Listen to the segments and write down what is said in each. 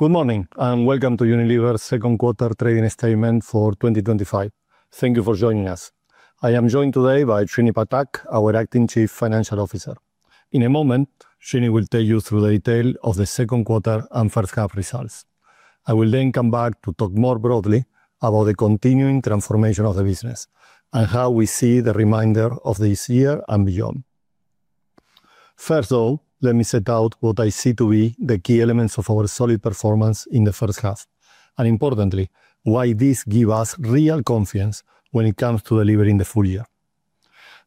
Good morning and welcome to Unilever's Second Quarter Trading Statement for 2025. Thank you for joining us. I am joined today by Srini Patak, our Acting Chief Financial Officer. In a moment, Srini will take you through the detail of the second quarter and first half results. I will then come back to talk more broadly about the continuing transformation of the business and how we see the remainder of this year and beyond. First, though, let me set out what I see to be the key elements of our solid performance in the first half, and importantly, why this gives us real confidence when it comes to delivering the full year.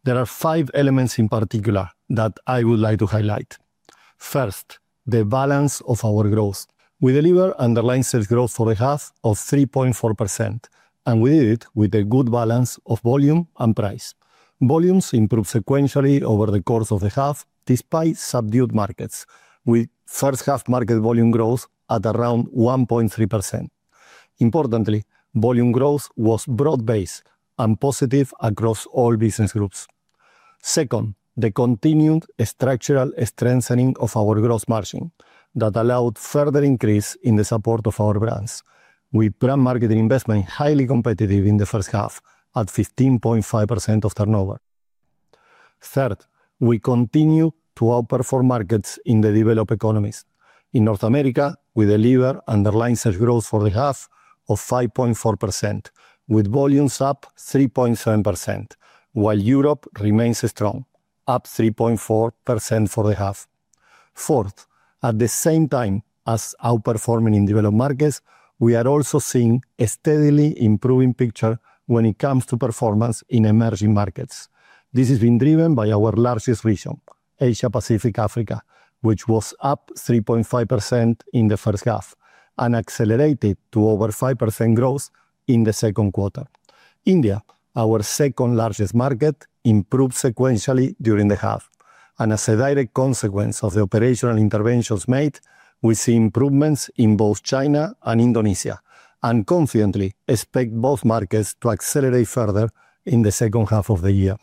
There are five elements in particular that I would like to highlight. First, the balance of our growth. We deliver underlying sales growth for the half of 3.4%, and we did it with a good balance of volume and price. Volumes improved sequentially over the course of the half despite subdued markets, with first half market volume growth at around 1.3%. Importantly, volume growth was broad-based and positive across all business groups. Second, the continued structural strengthening of our gross margin that allowed further increase in the support of our brands. We brand and marketing investment highly competitive in the first half at 15.5% of turnover. Third, we continue to outperform markets in the developed economies. In North America, we deliver underlying sales growth for the half of 5.4%, with volumes up 3.7%, while Europe remains strong, up 3.4% for the half. Fourth, at the same time as outperforming in developed markets, we are also seeing a steadily improving picture when it comes to performance in emerging markets. This has been driven by our largest region, Asia-Pacific-Africa, which was up 3.5% in the first half and accelerated to over 5% growth in the second quarter. India, our second largest market, improved sequentially during the half, and as a direct consequence of the operational interventions made, we see improvements in both China and Indonesia, and confidently expect both markets to accelerate further in the second half of the year.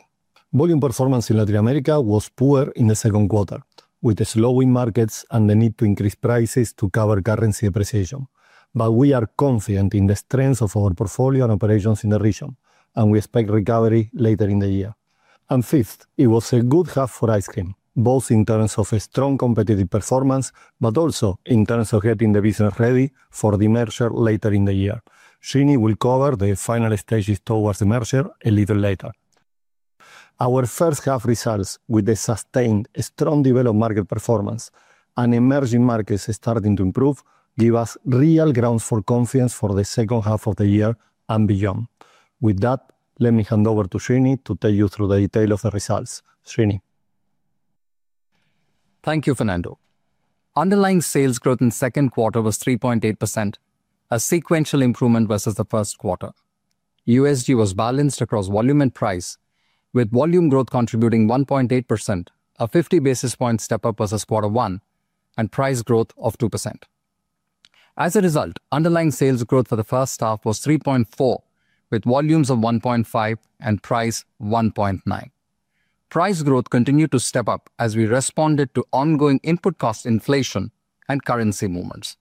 Volume performance in Latin America was poor in the second quarter, with slowing markets and the need to increase prices to cover currency appreciation, but we are confident in the strength of our portfolio and operations in the region, and we expect recovery later in the year. Fifth, it was a good half for ice cream, both in terms of strong competitive performance, but also in terms of getting the business ready for the demerger later in the year. Srini will cover the final stages towards the demerger a little later. Our first half results, with the sustained strong developed market performance and emerging markets starting to improve, give us real grounds for confidence for the second half of the year and beyond. With that, let me hand over to Srini to take you through the detail of the results. Srini. Thank you, Fernando. Underlying sales growth in the second quarter was 3.8%, a sequential improvement versus the first quarter. USG was balanced across volume and price, with volume growth contributing 1.8%, a 50 basis point step up versus quarter one, and price growth of 2%. As a result, underlying sales growth for the first half was 3.4%, with volumes of 1.5% and price 1.9%. Price growth continued to step up as we responded to ongoing input cost inflation and currency movements.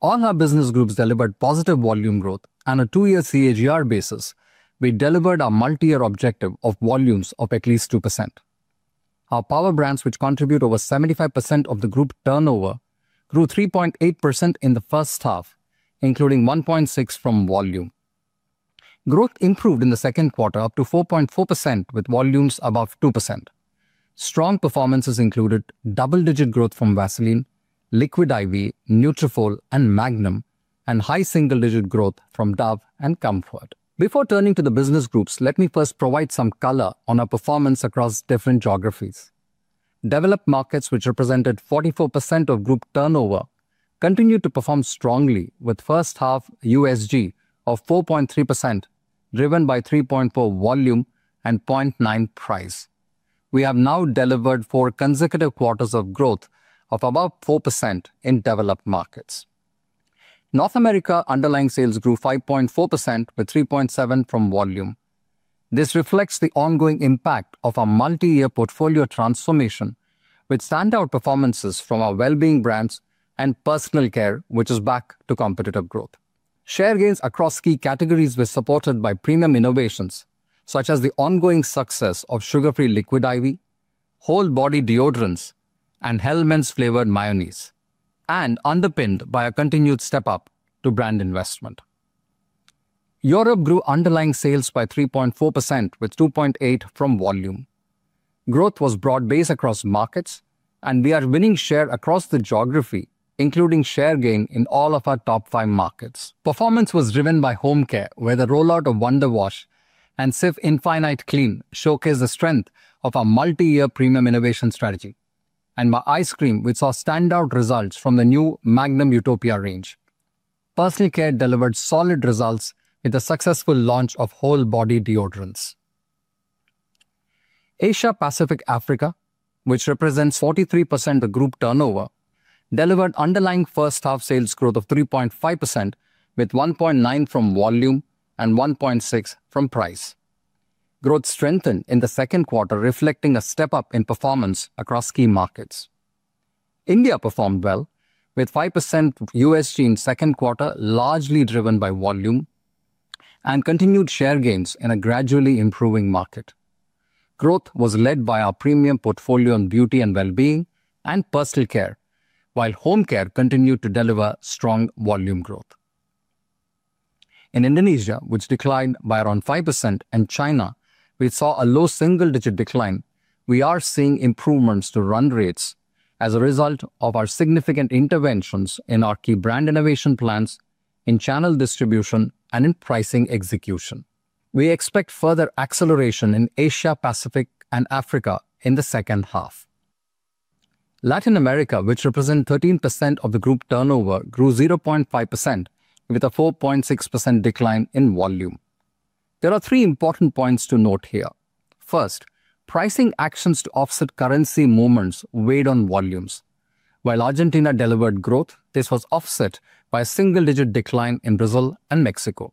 All our business groups delivered positive volume growth, and on a two-year CAGR basis, we delivered our multi-year objective of volumes of at least 2%. Our power brands, which contribute over 75% of the group turnover, grew 3.8% in the first half, including 1.6% from volume. Growth improved in the second quarter up to 4.4%, with volumes above 2%. Strong performances included double-digit growth from Vaseline, Liquid I.V., Nutrafol, and Magnum, and high single-digit growth from Dove and Comfort. Before turning to the business groups, let me first provide some color on our performance across different geographies. Developed markets, which represented 44% of group turnover, continued to perform strongly, with first half USG of 4.3%, driven by 3.4% volume and 0.9% price. We have now delivered four consecutive quarters of growth of about 4% in developed markets. North America underlying sales grew 5.4%, with 3.7% from volume. This reflects the ongoing impact of our multi-year portfolio transformation, with standout performances from our well-being brands and personal care, which is back to competitive growth. Share gains across key categories were supported by premium innovations, such as the ongoing success of sugar-free Liquid I.V., whole body deodorants, and Hellmann's flavored mayonnaise, and underpinned by a continued step up to brand investment. Europe grew underlying sales by 3.4%, with 2.8% from volume. Growth was broad-based across markets, and we are winning share across the geography, including share gain in all of our top five markets. Performance was driven by home care, where the rollout of Wonder Wash and SIFF Infinite Clean showcased the strength of our multi-year premium innovation strategy, and by ice cream, which saw standout results from the new Magnum Utopia range. Personal care delivered solid results with the successful launch of whole body deodorants. Asia-Pacific-Africa, which represents 43% of group turnover, delivered underlying first half sales growth of 3.5%, with 1.9% from volume and 1.6% from price. Growth strengthened in the second quarter, reflecting a step up in performance across key markets. India performed well, with 5% USG in the second quarter, largely driven by volume, and continued share gains in a gradually improving market. Growth was led by our premium portfolio on beauty and well-being and personal care, while home care continued to deliver strong volume growth. In Indonesia, which declined by around 5%, and China, which saw a low single-digit decline, we are seeing improvements to run rates as a result of our significant interventions in our key brand innovation plans, in channel distribution, and in pricing execution. We expect further acceleration in Asia-Pacific-Africa in the second half. Latin America, which represents 13% of the group turnover, grew 0.5%, with a 4.6% decline in volume. There are three important points to note here. First, pricing actions to offset currency movements weighed on volumes. While Argentina delivered growth, this was offset by a single-digit decline in Brazil and Mexico.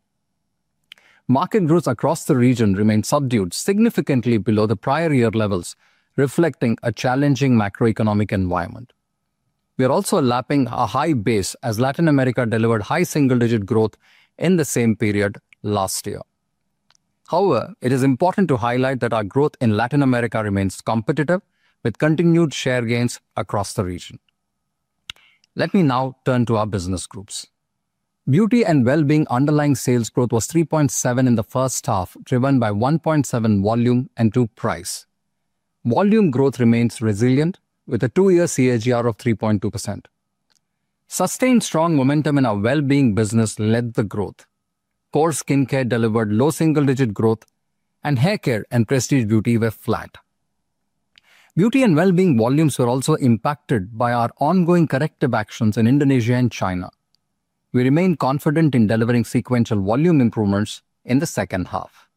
Market growth across the region remained subdued, significantly below the prior year levels, reflecting a challenging macro-economic environment. We are also lapping a high base as Latin America delivered high single-digit growth in the same period last year. However, it is important to highlight that our growth in Latin America remains competitive, with continued share gains across the region. Let me now turn to our business groups. Beauty and well-being underlying sales growth was 3.7% in the first half, driven by 1.7% volume and 2% price. Volume growth remains resilient, with a two-year CAGR of 3.2%. Sustained strong momentum in our well-being business led to growth. Core skincare delivered low single-digit growth, and hair care and prestige beauty were flat. Beauty and well-being volumes were also impacted by our ongoing corrective actions in Indonesia and China. We remain confident in delivering sequential volume improvements in the second half.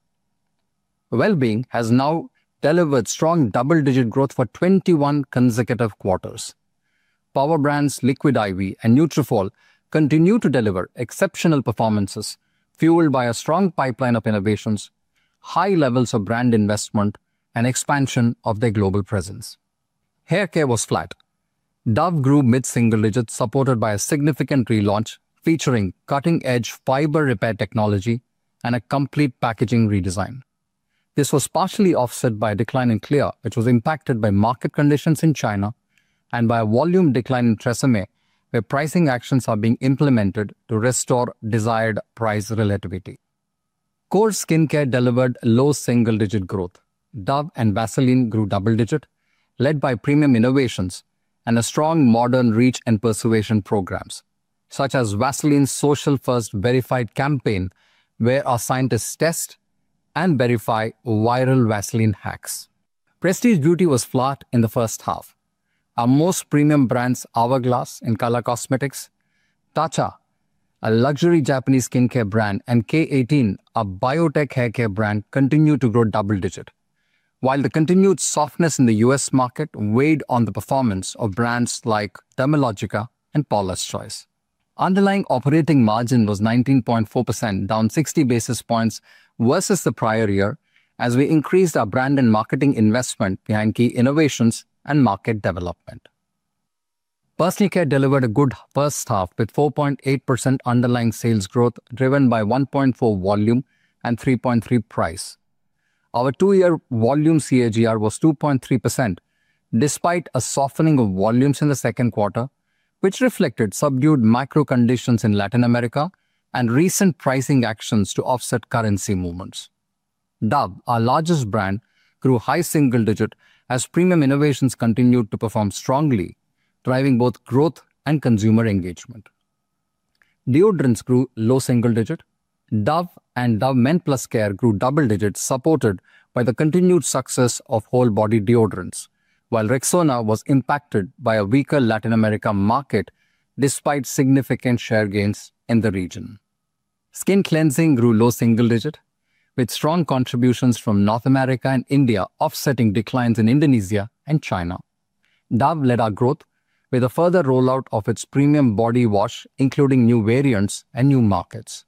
Well-being has now delivered strong double-digit growth for 21 consecutive quarters. Power brands Liquid I.V. and Nutrafol continue to deliver exceptional performances, fueled by a strong pipeline of innovations, high levels of brand investment, and expansion of their global presence. Hair care was flat. Dove grew mid-single digits, supported by a significant relaunch featuring cutting-edge fiber repair technology and a complete packaging redesign. This was partially offset by a decline in Clear, which was impacted by market conditions in China and by a volume decline in Tresemmé, where pricing actions are being implemented to restore desired price relativity. Core skincare delivered low single-digit growth. Dove and Vaseline grew double-digit, led by premium innovations and strong modern reach and persuasion programs, such as Vaseline's Social First verified campaign, where our scientists test and verify viral Vaseline hacks. Prestige beauty was flat in the first half. Our most premium brands, Hourglass in color cosmetics, Tatcha, a luxury Japanese skincare brand, and K18, a biotech hair care brand, continued to grow double-digit, while the continued softness in the U.S. market weighed on the performance of brands like Dermalogica and Paula's Choice. Underlying operating margin was 19.4%, down 60 basis points versus the prior year, as we increased our brand and marketing investment behind key innovations and market development. Personal care delivered a good first half with 4.8% underlying sales growth, driven by 1.4% volume and 3.3% price. Our two-year volume CAGR was 2.3%. Despite a softening of volumes in the second quarter, which reflected subdued macro-economic conditions in Latin America and recent pricing actions to offset currency movements. Dove, our largest brand, grew high single-digit as premium innovations continued to perform strongly, driving both growth and consumer engagement. Deodorants grew low single-digit. Dove and Dove Men Plus Care grew double-digit, supported by the continued success of whole body deodorants, while Rexona was impacted by a weaker Latin America market despite significant share gains in the region. Skin cleansing grew low single-digit, with strong contributions from North America and India, offsetting declines in Indonesia and China. Dove led our growth with a further rollout of its premium body wash, including new variants and new markets.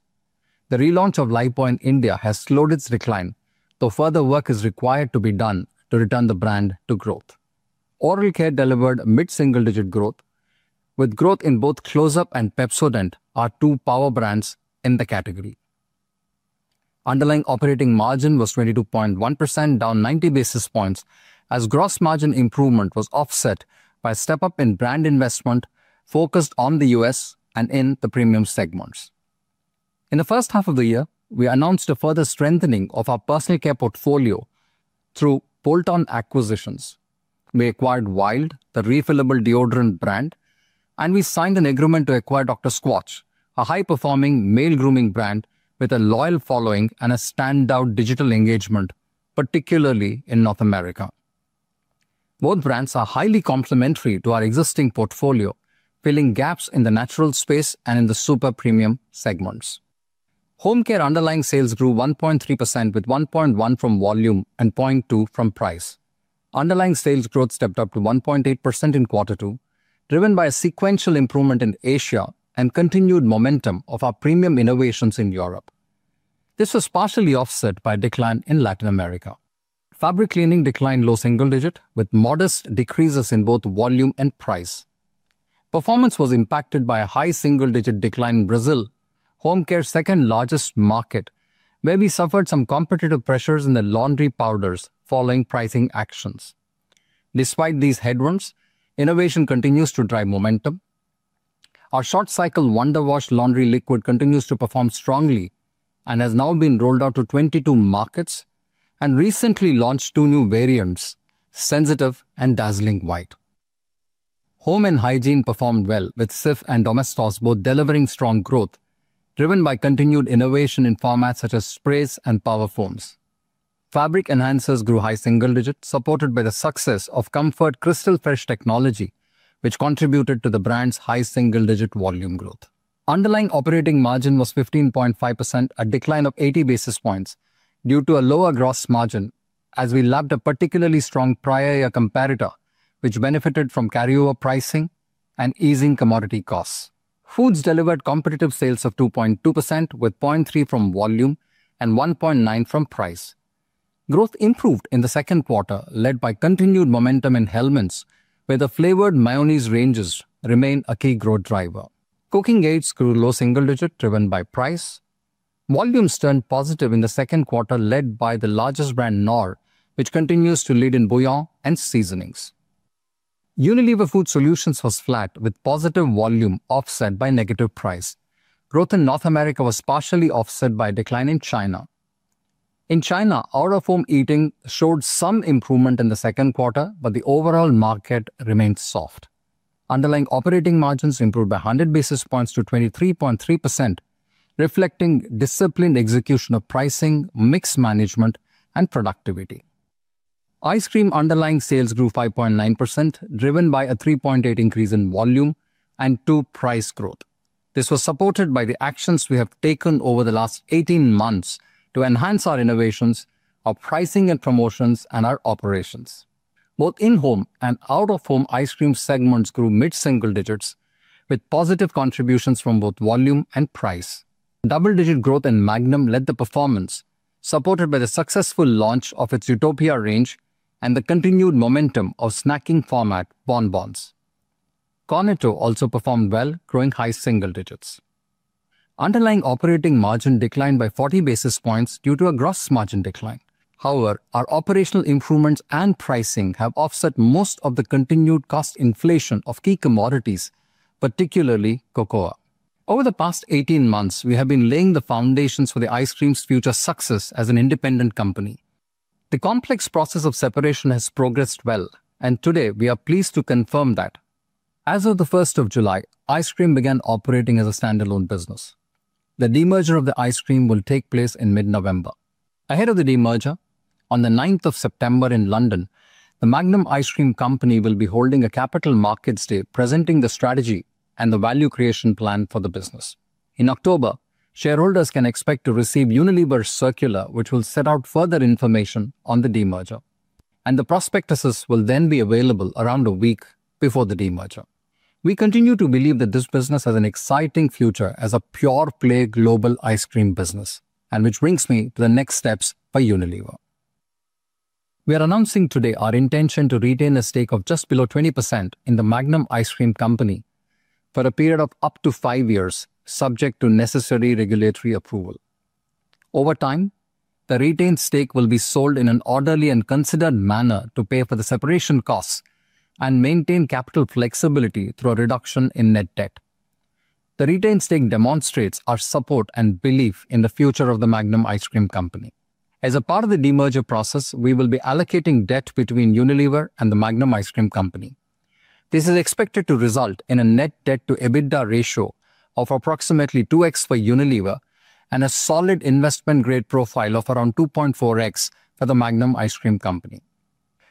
The relaunch of Lipo in India has slowed its decline, though further work is required to be done to return the brand to growth. Oral care delivered mid-single-digit growth, with growth in both Close-Up and Pepsodent, our two power brands in the category. Underlying operating margin was 22.1%, down 90 basis points, as gross margin improvement was offset by a step up in brand investment focused on the U.S. and in the premium segments. In the first half of the year, we announced a further strengthening of our personal care portfolio through bolt-on acquisitions. We acquired Wild, the refillable deodorant brand, and we signed an agreement to acquire Dr. Squatch, a high-performing male grooming brand with a loyal following and a standout digital engagement, particularly in North America. Both brands are highly complementary to our existing portfolio, filling gaps in the natural space and in the super premium segments. Home care underlying sales grew 1.3%, with 1.1% from volume and 0.2% from price. Underlying sales growth stepped up to 1.8% in quarter two, driven by a sequential improvement in Asia-Pacific-Africa and continued momentum of our premium innovations in Europe. This was partially offset by a decline in Latin America. Fabric cleaning declined low single digit, with modest decreases in both volume and price. Performance was impacted by a high single-digit decline in Brazil, home care's second largest market, where we suffered some competitive pressures in the laundry powders following pricing actions. Despite these headwinds, innovation continues to drive momentum. Our short-cycle Wonder Wash Laundry Liquid continues to perform strongly and has now been rolled out to 22 markets and recently launched two new variants, Sensitive and Dazzling White. Home and hygiene performed well, with CIF and Domestos both delivering strong growth, driven by continued innovation in formats such as sprays and power foams. Fabric enhancers grew high single digit, supported by the success of Comfort Crystal Fresh technology, which contributed to the brand's high single-digit volume growth. Underlying operating margin was 15.5%, a decline of 80 basis points due to a lower gross margin, as we lapped a particularly strong prior-year competitor, which benefited from carryover pricing and easing commodity costs. Foods delivered competitive sales of 2.2%, with 0.3% from volume and 1.9% from price. Growth improved in the second quarter, led by continued momentum in Hellmann's, where the flavored mayonnaise ranges remain a key growth driver. Cooking aids grew low single digit, driven by price. Volumes turned positive in the second quarter, led by the largest brand, Knorr, which continues to lead in bouillon and seasonings. Unilever Food Solutions was flat, with positive volume offset by negative price. Growth in North America was partially offset by a decline in China. In China, out-of-home eating showed some improvement in the second quarter, but the overall market remained soft. Underlying operating margins improved by 100 basis points to 23.3%, reflecting disciplined execution of pricing, mix management, and productivity. Ice cream underlying sales grew 5.9%, driven by a 3.8% increase in volume and 2% price growth. This was supported by the actions we have taken over the last 18 months to enhance our innovations, our pricing and promotions, and our operations. Both in-home and out-of-home ice cream segments grew mid-single digits, with positive contributions from both volume and price. Double-digit growth in Magnum led to performance, supported by the successful launch of its Utopia range and the continued momentum of snacking format Bon Bons. Conimex also performed well, growing high single digits. Underlying operating margin declined by 40 basis points due to a gross margin decline. However, our operational improvements and pricing have offset most of the continued cost inflation of key commodities, particularly cocoa. Over the past 18 months, we have been laying the foundations for the ice cream's future success as an independent company. The complex process of separation has progressed well, and today we are pleased to confirm that. As of the 1st of July, ice cream began operating as a standalone business. The demerger of the ice cream will take place in mid-November. Ahead of the demerger, on the 9th of September in London, the Magnum Ice Cream Company will be holding a capital markets day presenting the strategy and the value creation plan for the business. In October, shareholders can expect to receive Unilever's circular, which will set out further information on the demerger, and the prospectuses will then be available around a week before the demerger. We continue to believe that this business has an exciting future as a pure-play global ice cream business, which brings me to the next steps for Unilever. We are announcing today our intention to retain a stake of just below 20% in the Magnum Ice Cream Company for a period of up to five years, subject to necessary regulatory approval. Over time, the retained stake will be sold in an orderly and considered manner to pay for the separation costs and maintain capital flexibility through a reduction in net debt. The retained stake demonstrates our support and belief in the future of the Magnum Ice Cream Company. As a part of the demerger process, we will be allocating debt between Unilever and the Magnum Ice Cream Company. This is expected to result in a net debt-to-EBITDA ratio of approximately 2x for Unilever and a solid investment-grade profile of around 2.4x for the Magnum Ice Cream Company.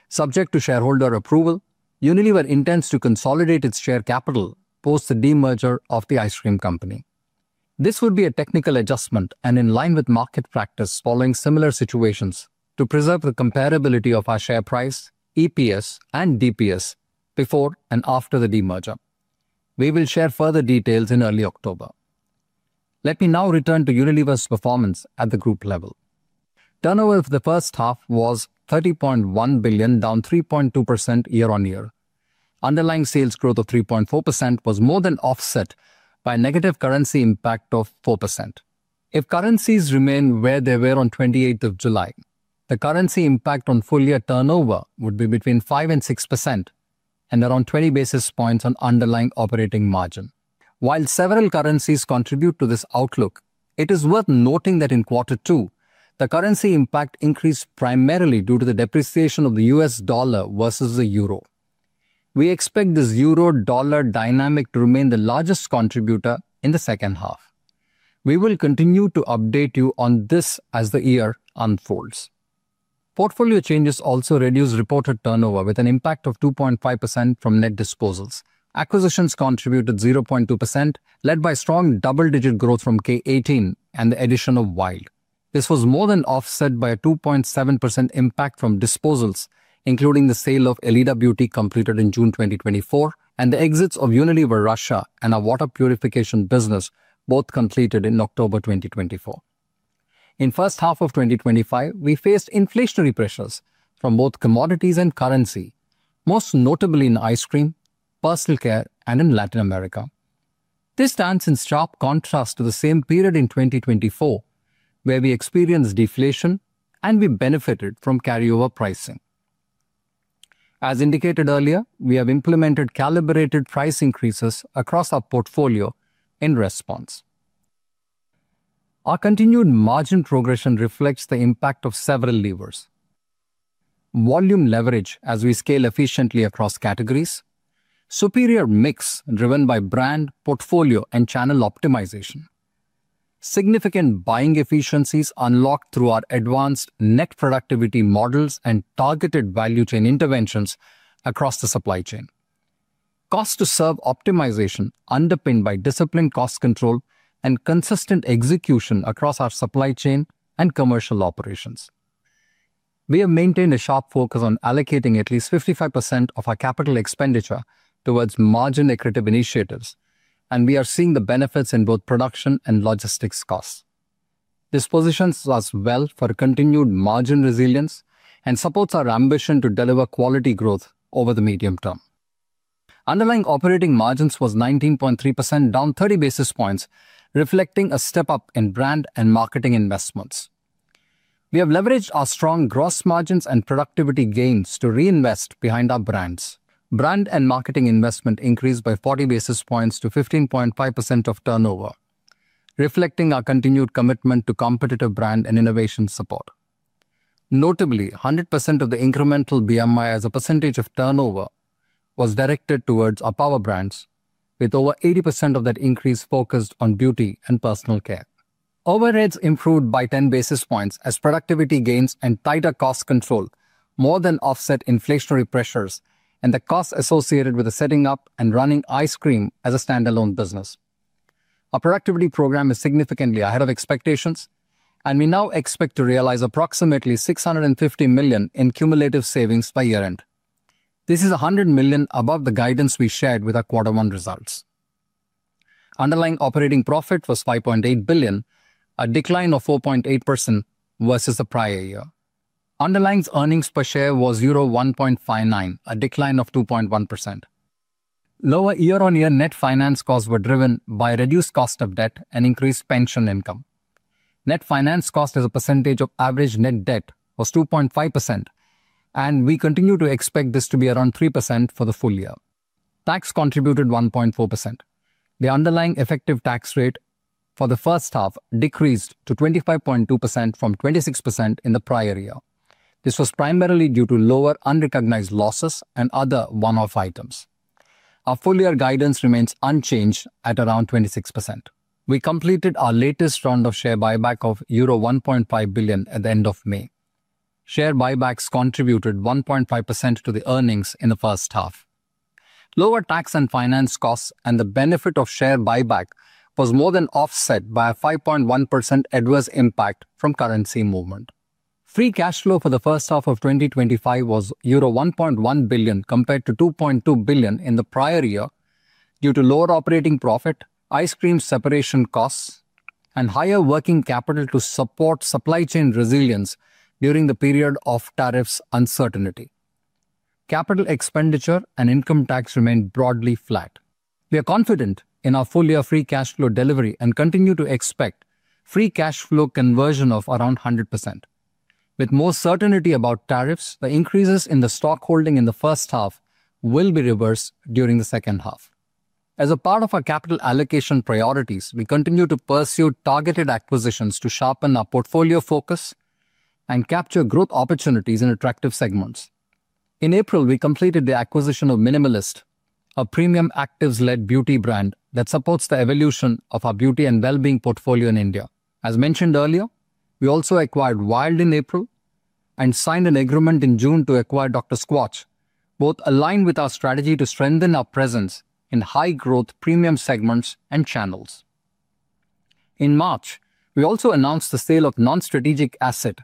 Subject to shareholder approval, Unilever intends to consolidate its share capital post the demerger of the ice cream company. This would be a technical adjustment and in line with market practice following similar situations to preserve the comparability of our share price, EPS, and DPS before and after the demerger. We will share further details in early October. Let me now return to Unilever's performance at the group level. Turnover of the first half was $30.1 billion, down 3.2% year-on-year. Underlying sales growth of 3.4% was more than offset by a negative currency impact of 4%. If currencies remain where they were on July 28, the currency impact on full-year turnover would be between 5% and 6% and around 20 basis points on underlying operating margin. While several currencies contribute to this outlook, it is worth noting that in quarter two, the currency impact increased primarily due to the depreciation of the U.S. dollar versus the euro. We expect this euro-dollar dynamic to remain the largest contributor in the second half. We will continue to update you on this as the year unfolds. Portfolio changes also reduced reported turnover, with an impact of 2.5% from net disposals. Acquisitions contributed 0.2%, led by strong double-digit growth from K18 and the addition of Wild. This was more than offset by a 2.7% impact from disposals, including the sale of Elida Beauty completed in June 2024 and the exits of Unilever Russia and our water purification business, both completed in October 2024. In the first half of 2025, we faced inflationary pressures from both commodities and currency, most notably in ice cream, personal care, and in Latin America. This stands in sharp contrast to the same period in 2024, where we experienced deflation and we benefited from carryover pricing. As indicated earlier, we have implemented calibrated price increases across our portfolio in response. Our continued margin progression reflects the impact of several levers. Volume leverage as we scale efficiently across categories, superior mix driven by brand, portfolio, and channel optimization. Significant buying efficiencies unlocked through our advanced net productivity models and targeted value chain interventions across the supply chain. Cost-to-serve optimization underpinned by disciplined cost control and consistent execution across our supply chain and commercial operations. We have maintained a sharp focus on allocating at least 55% of our capital expenditure towards margin-accretive initiatives, and we are seeing the benefits in both production and logistics costs. This positions us well for continued margin resilience and supports our ambition to deliver quality growth over the medium term. Underlying operating margin was 19.3%, down 30 basis points, reflecting a step up in brand and marketing investments. We have leveraged our strong gross margins and productivity gains to reinvest behind our brands. Brand and marketing investment increased by 40 basis points to 15.5% of turnover, reflecting our continued commitment to competitive brand and innovation support. Notably, 100% of the incremental BMI as a percentage of turnover was directed towards our power brands, with over 80% of that increase focused on beauty and personal care. Overheads improved by 10 basis points as productivity gains and tighter cost control more than offset inflationary pressures and the costs associated with setting up and running ice cream as a standalone business. Our productivity program is significantly ahead of expectations, and we now expect to realize approximately 650 million in cumulative savings by year-end. This is 100 million above the guidance we shared with our quarter-one results. Underlying operating profit was 5.8 billion, a decline of 4.8% versus the prior year. Underlying earnings per share was 1.59, a decline of 2.1%. Lower year-on-year net finance costs were driven by reduced cost of debt and increased pension income. Net finance cost as a percentage of average net debt was 2.5%, and we continue to expect this to be around 3% for the full year. Tax contributed 1.4%. The underlying effective tax rate for the first half decreased to 25.2% from 26% in the prior year. This was primarily due to lower unrecognized losses and other one-off items. Our full-year guidance remains unchanged at around 26%. We completed our latest round of share buyback of euro 1.5 billion at the end of May. Share buybacks contributed 1.5% to the earnings in the first half. Lower tax and finance costs and the benefit of share buyback was more than offset by a 5.1% adverse impact from currency movement. Free cash flow for the first half of 2025 was euro 1.1 billion compared to 2.2 billion in the prior year due to lower operating profit, ice cream separation costs, and higher working capital to support supply chain resilience during the period of tariffs uncertainty. Capital expenditure and income tax remained broadly flat. We are confident in our full-year free cash flow delivery and continue to expect free cash flow conversion of around 100%. With more certainty about tariffs, the increases in the stock holding in the first half will be reversed during the second half. As a part of our capital allocation priorities, we continue to pursue targeted acquisitions to sharpen our portfolio focus and capture growth opportunities in attractive segments. In April, we completed the acquisition of Minimalist, a premium actives-led beauty brand that supports the evolution of our beauty and well-being portfolio in India. As mentioned earlier, we also acquired Wild in April and signed an agreement in June to acquire Dr. Squatch, both aligned with our strategy to strengthen our presence in high-growth premium segments and channels. In March, we also announced the sale of a non-strategic asset,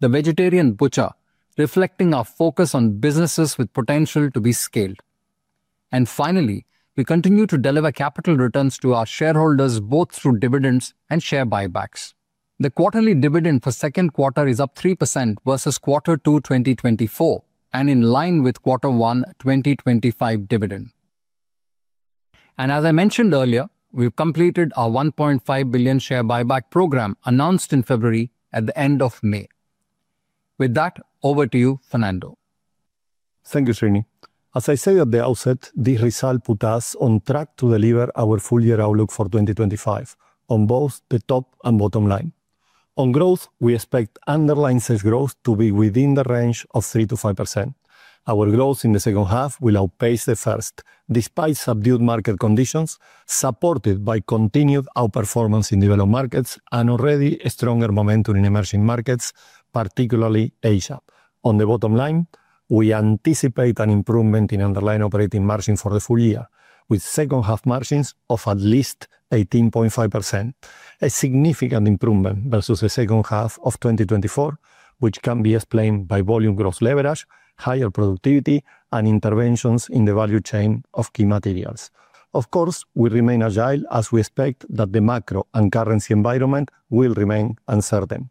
the Vegetarian Butcher, reflecting our focus on businesses with potential to be scaled. We continue to deliver capital returns to our shareholders both through dividends and share buybacks. The quarterly dividend for the second quarter is up 3% versus quarter two 2024 and in line with quarter one 2025 dividend. As I mentioned earlier, we've completed our 1.5 billion share buyback program announced in February at the end of May. With that, over to you, Fernando. Thank you, Srini. As I said at the outset, this result put us on track to deliver our full-year outlook for 2025 on both the top and bottom line. On growth, we expect underlying sales growth to be within the range of 3% to 5%. Our growth in the second half will outpace the first, despite subdued market conditions supported by continued outperformance in developed markets and already stronger momentum in emerging markets, particularly Asia. On the bottom line, we anticipate an improvement in underlying operating margin for the full year, with second-half margins of at least 18.5%, a significant improvement versus the second half of 2024, which can be explained by volume growth leverage, higher productivity, and interventions in the value chain of key materials. Of course, we remain agile as we expect that the macro and currency environment will remain uncertain.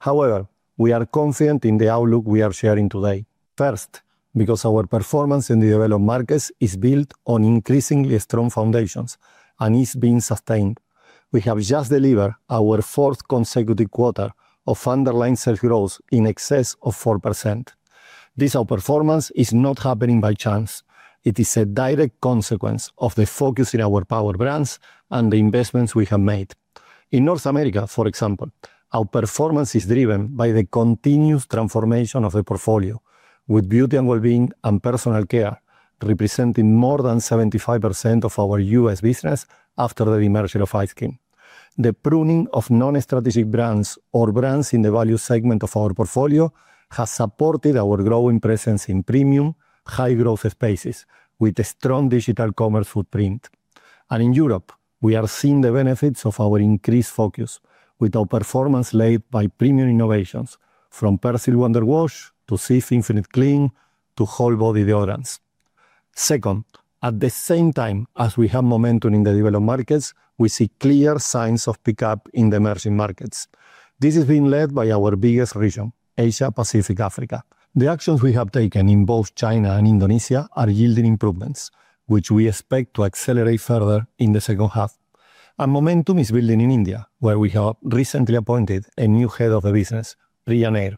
However, we are confident in the outlook we are sharing today, first because our performance in the developed markets is built on increasingly strong foundations and is being sustained. We have just delivered our fourth consecutive quarter of underlying sales growth in excess of 4%. This outperformance is not happening by chance. It is a direct consequence of the focus in our power brands and the investments we have made. In North America, for example, our performance is driven by the continuous transformation of the portfolio, with beauty and well-being and personal care representing more than 75% of our U.S. business after the demerger of ice cream. The pruning of non-strategic brands or brands in the value segment of our portfolio has supported our growing presence in premium, high-growth spaces with a strong digital commerce footprint. In Europe, we are seeing the benefits of our increased focus, with our performance led by premium innovations from Persil Wonderwash to CIF Infinite Clean to Whole Body Deodorants. Second, at the same time as we have momentum in the developed markets, we see clear signs of pickup in the emerging markets. This is being led by our biggest region, Asia-Pacific-Africa. The actions we have taken in both China and Indonesia are yielding improvements, which we expect to accelerate further in the second half. Momentum is building in India, where we have recently appointed a new head of the business, Priya Nair,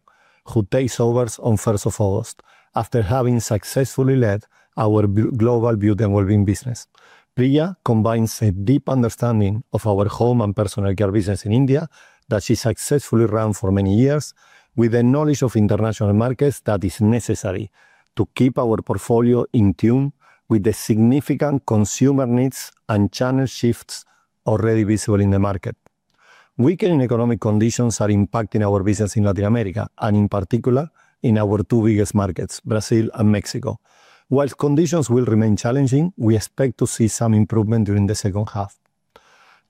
who takes over on 1st of August after having successfully led our global beauty and well-being business. Priya combines a deep understanding of our home and personal care business in India that she successfully ran for many years, with the knowledge of international markets that is necessary to keep our portfolio in tune with the significant consumer needs and channel shifts already visible in the market. Weaker economic conditions are impacting our business in Latin America and, in particular, in our two biggest markets, Brazil and Mexico. While conditions will remain challenging, we expect to see some improvement during the second half.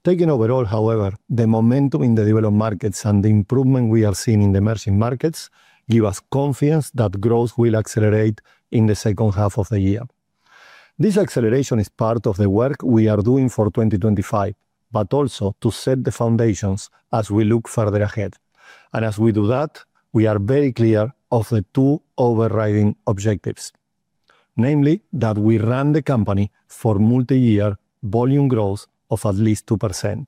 Taking overall, however, the momentum in the developed markets and the improvement we are seeing in the emerging markets give us confidence that growth will accelerate in the second half of the year. This acceleration is part of the work we are doing for 2025, but also to set the foundations as we look further ahead. As we do that, we are very clear of the two overriding objectives, namely that we run the company for multi-year volume growth of at least 2%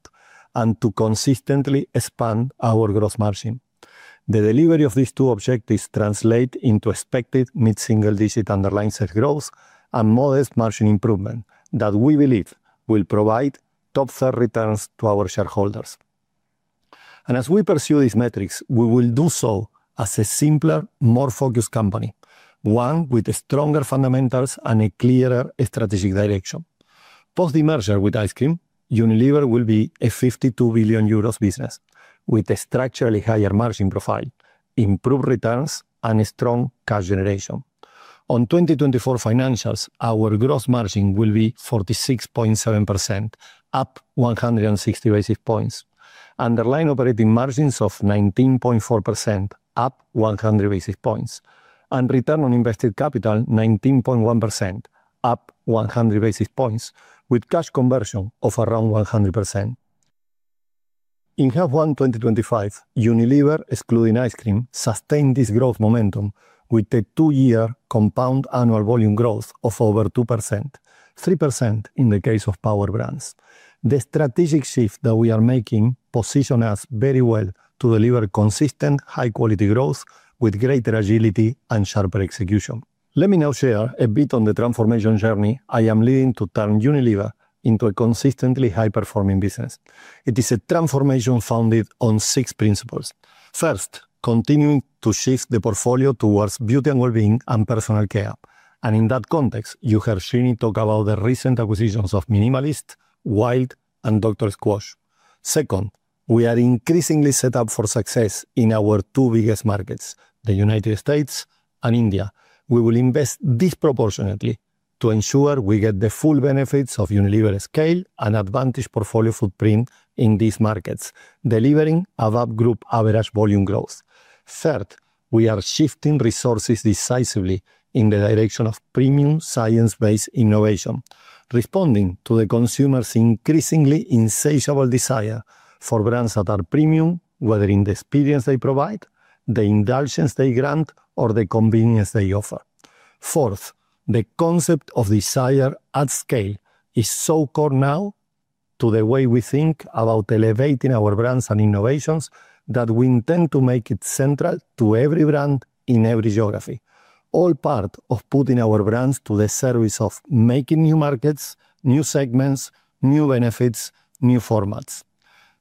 and to consistently expand our gross margin. The delivery of these two objectives translates into expected mid-single-digit underlying sales growth and modest margin improvement that we believe will provide top-tier returns to our shareholders. As we pursue these metrics, we will do so as a simpler, more focused company, one with stronger fundamentals and a clearer strategic direction. Post-demerger with ice cream, Unilever will be a 52 billion euros business with a structurally higher margin profile, improved returns, and strong cash generation. On 2024 financials, our gross margin will be 46.7%, up 160 basis points, underlying operating margins of 19.4%, up 100 basis points, and return on invested capital 19.1%, up 100 basis points, with cash conversion of around 100%. In Q1 2025, Unilever, excluding ice cream, sustained this growth momentum with a two-year compound annual volume growth of over 2%, 3% in the case of power brands. The strategic shift that we are making positions us very well to deliver consistent, high-quality growth with greater agility and sharper execution. Let me now share a bit on the transformation journey I am leading to turn Unilever into a consistently high-performing business. It is a transformation founded on six principles. First, continuing to shift the portfolio towards beauty and well-being and personal care. In that context, you heard Srini talk about the recent acquisitions of Minimalist, Wild, and Dr. Squatch. Second, we are increasingly set up for success in our two biggest markets, the United States and India. We will invest disproportionately to ensure we get the full benefits of Unilever's scale and advantage portfolio footprint in these markets, delivering above-group average volume growth. Third, we are shifting resources decisively in the direction of premium science-based innovation, responding to the consumer's increasingly insatiable desire for brands that are premium, whether in the experience they provide, the indulgence they grant, or the convenience they offer. Fourth, the concept of desire at scale is so core now to the way we think about elevating our brands and innovations that we intend to make it central to every brand in every geography, all part of putting our brands to the service of making new markets, new segments, new benefits, new formats.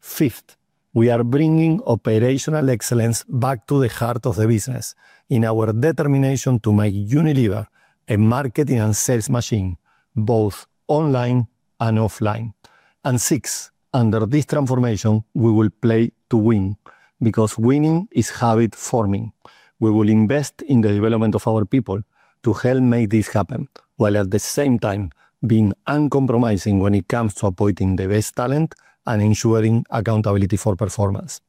Fifth, we are bringing operational excellence back to the heart of the business in our determination to make Unilever a marketing and sales machine, both online and offline. Sixth, under this transformation, we will play to win because winning is habit forming. We will invest in the development of our people to help make this happen while at the same time being uncompromising when it comes to appointing the best talent and ensuring accountability for performance.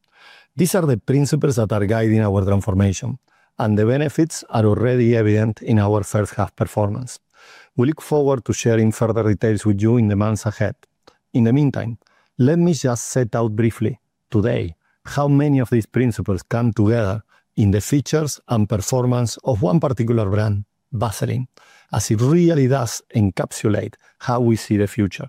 These are the principles that are guiding our transformation, and the benefits are already evident in our first-half performance. We look forward to sharing further details with you in the months ahead. In the meantime, let me just set out briefly today how many of these principles come together in the features and performance of one particular brand, Vaseline, as it really does encapsulate how we see the future.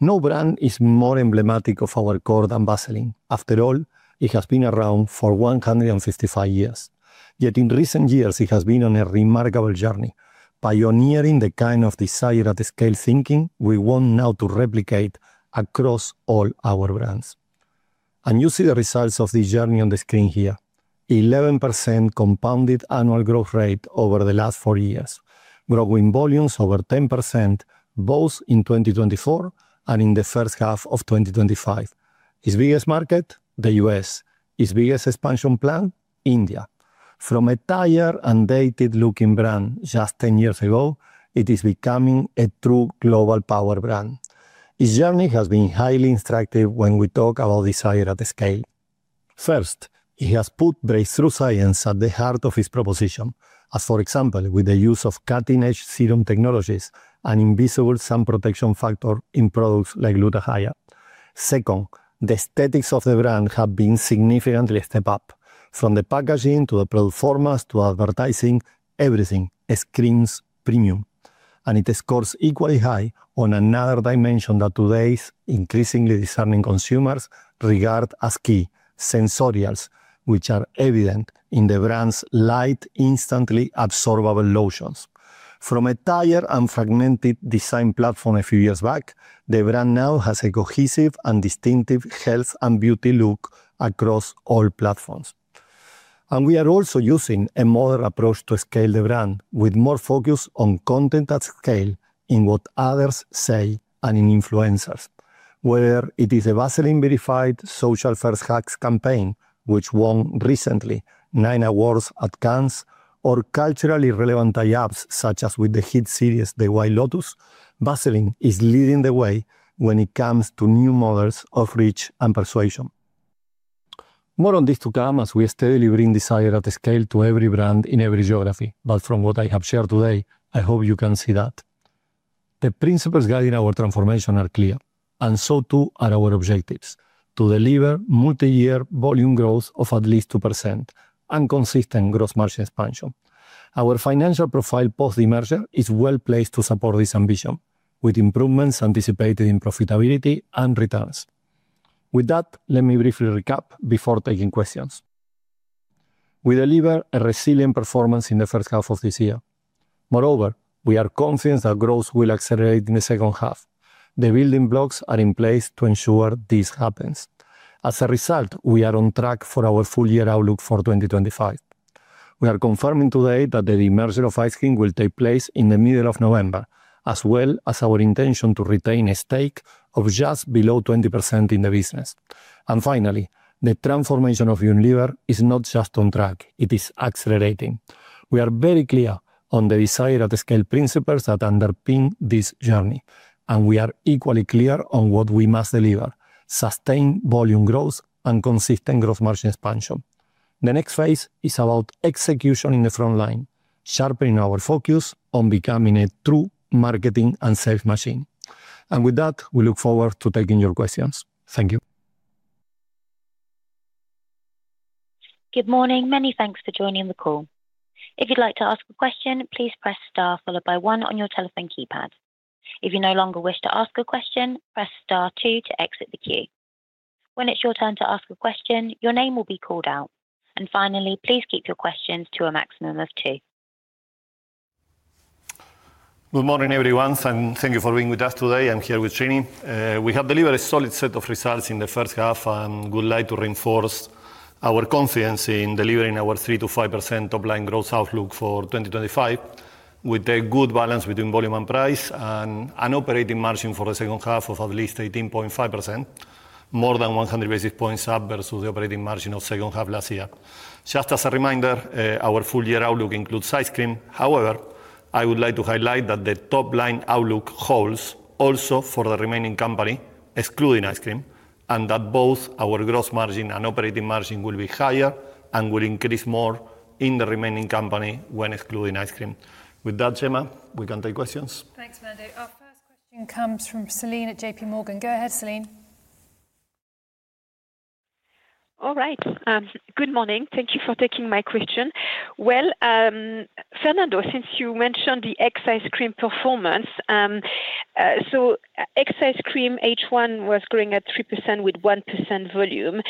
No brand is more emblematic of our core than Vaseline. After all, it has been around for 155 years. Yet in recent years, it has been on a remarkable journey, pioneering the kind of desire at scale thinking we want now to replicate across all our brands. You see the results of this journey on the screen here: 11% compounded annual growth rate over the last four years, growing volumes over 10% both in 2024 and in the first half of 2025. Its biggest market, the U.S., its biggest expansion plan, India. From a tired and dated-looking brand just 10 years ago, it is becoming a true global power brand. Its journey has been highly instructive when we talk about desire at scale. First, it has put breakthrough science at the heart of its proposition, as for example, with the use of cutting-edge serum technologies and invisible sun protection factor in products like Lutahaya. Second, the aesthetics of the brand have been significantly stepped up, from the packaging to the performance to advertising, everything screams premium. It scores equally high on another dimension that today's increasingly discerning consumers regard as key: sensorials, which are evident in the brand's light, instantly absorbable lotions. From a tired and fragmented design platform a few years back, the brand now has a cohesive and distinctive health and beauty look across all platforms. We are also using a modern approach to scale the brand, with more focus on content at scale in what others say and in influencers. Whether it is a Vaseline-verified social first-hacks campaign, which won recently nine awards at Cannes, or culturally relevant IAPs such as with the hit series The White Lotus, Vaseline is leading the way when it comes to new models of reach and persuasion. More on this to come as we steadily bring desire at scale to every brand in every geography. From what I have shared today, I hope you can see that the principles guiding our transformation are clear, and so too are our objectives: to deliver multi-year volume growth of at least 2% and consistent gross margin expansion. Our financial profile post-demerger is well placed to support this ambition, with improvements anticipated in profitability and returns. With that, let me briefly recap before taking questions. We deliver a resilient performance in the first half of this year. Moreover, we are confident that growth will accelerate in the second half. The building blocks are in place to ensure this happens. As a result, we are on track for our full-year outlook for 2025. We are confirming today that the demerger of ice cream will take place in the middle of November, as well as our intention to retain a stake of just below 20% in the business. Finally, the transformation of Unilever is not just on track, it is accelerating. We are very clear on the desire at scale principles that underpin this journey, and we are equally clear on what we must deliver: sustained volume growth and consistent gross margin expansion. The next phase is about execution in the front line, sharpening our focus on becoming a true marketing and sales machine. With that, we look forward to taking your questions. Thank you. Good morning. Many thanks for joining the call. If you'd like to ask a question, please press Star followed by One on your telephone keypad. If you no longer wish to ask a question, press Star Two to exit the queue. When it's your turn to ask a question, your name will be called out. Please keep your questions to a maximum of two. Good morning, everyone, and thank you for being with us today. I'm here with Srini. We have delivered a solid set of results in the first half, and I would like to reinforce our confidence in delivering our 3% to 5% top-line growth outlook for 2025, with a good balance between volume and price and an operating margin for the second half of at least 18.5%, more than 100 basis points up versus the operating margin of the second half last year. Just as a reminder, our full-year outlook includes ice cream. However, I would like to highlight that the top-line outlook holds also for the remaining company, excluding ice cream, and that both our gross margin and operating margin will be higher and will increase more in the remaining company when excluding ice cream. With that, Gemma, we can take questions. Thanks, Mandy. Our first question comes from Celine at JPMorgan Chase & Co Go ahead, Celine. Good morning. Thank you for taking my question. Fernando, since you mentioned the ex ice cream performance. Ex ice cream H1 was growing at 3% with 1% volume.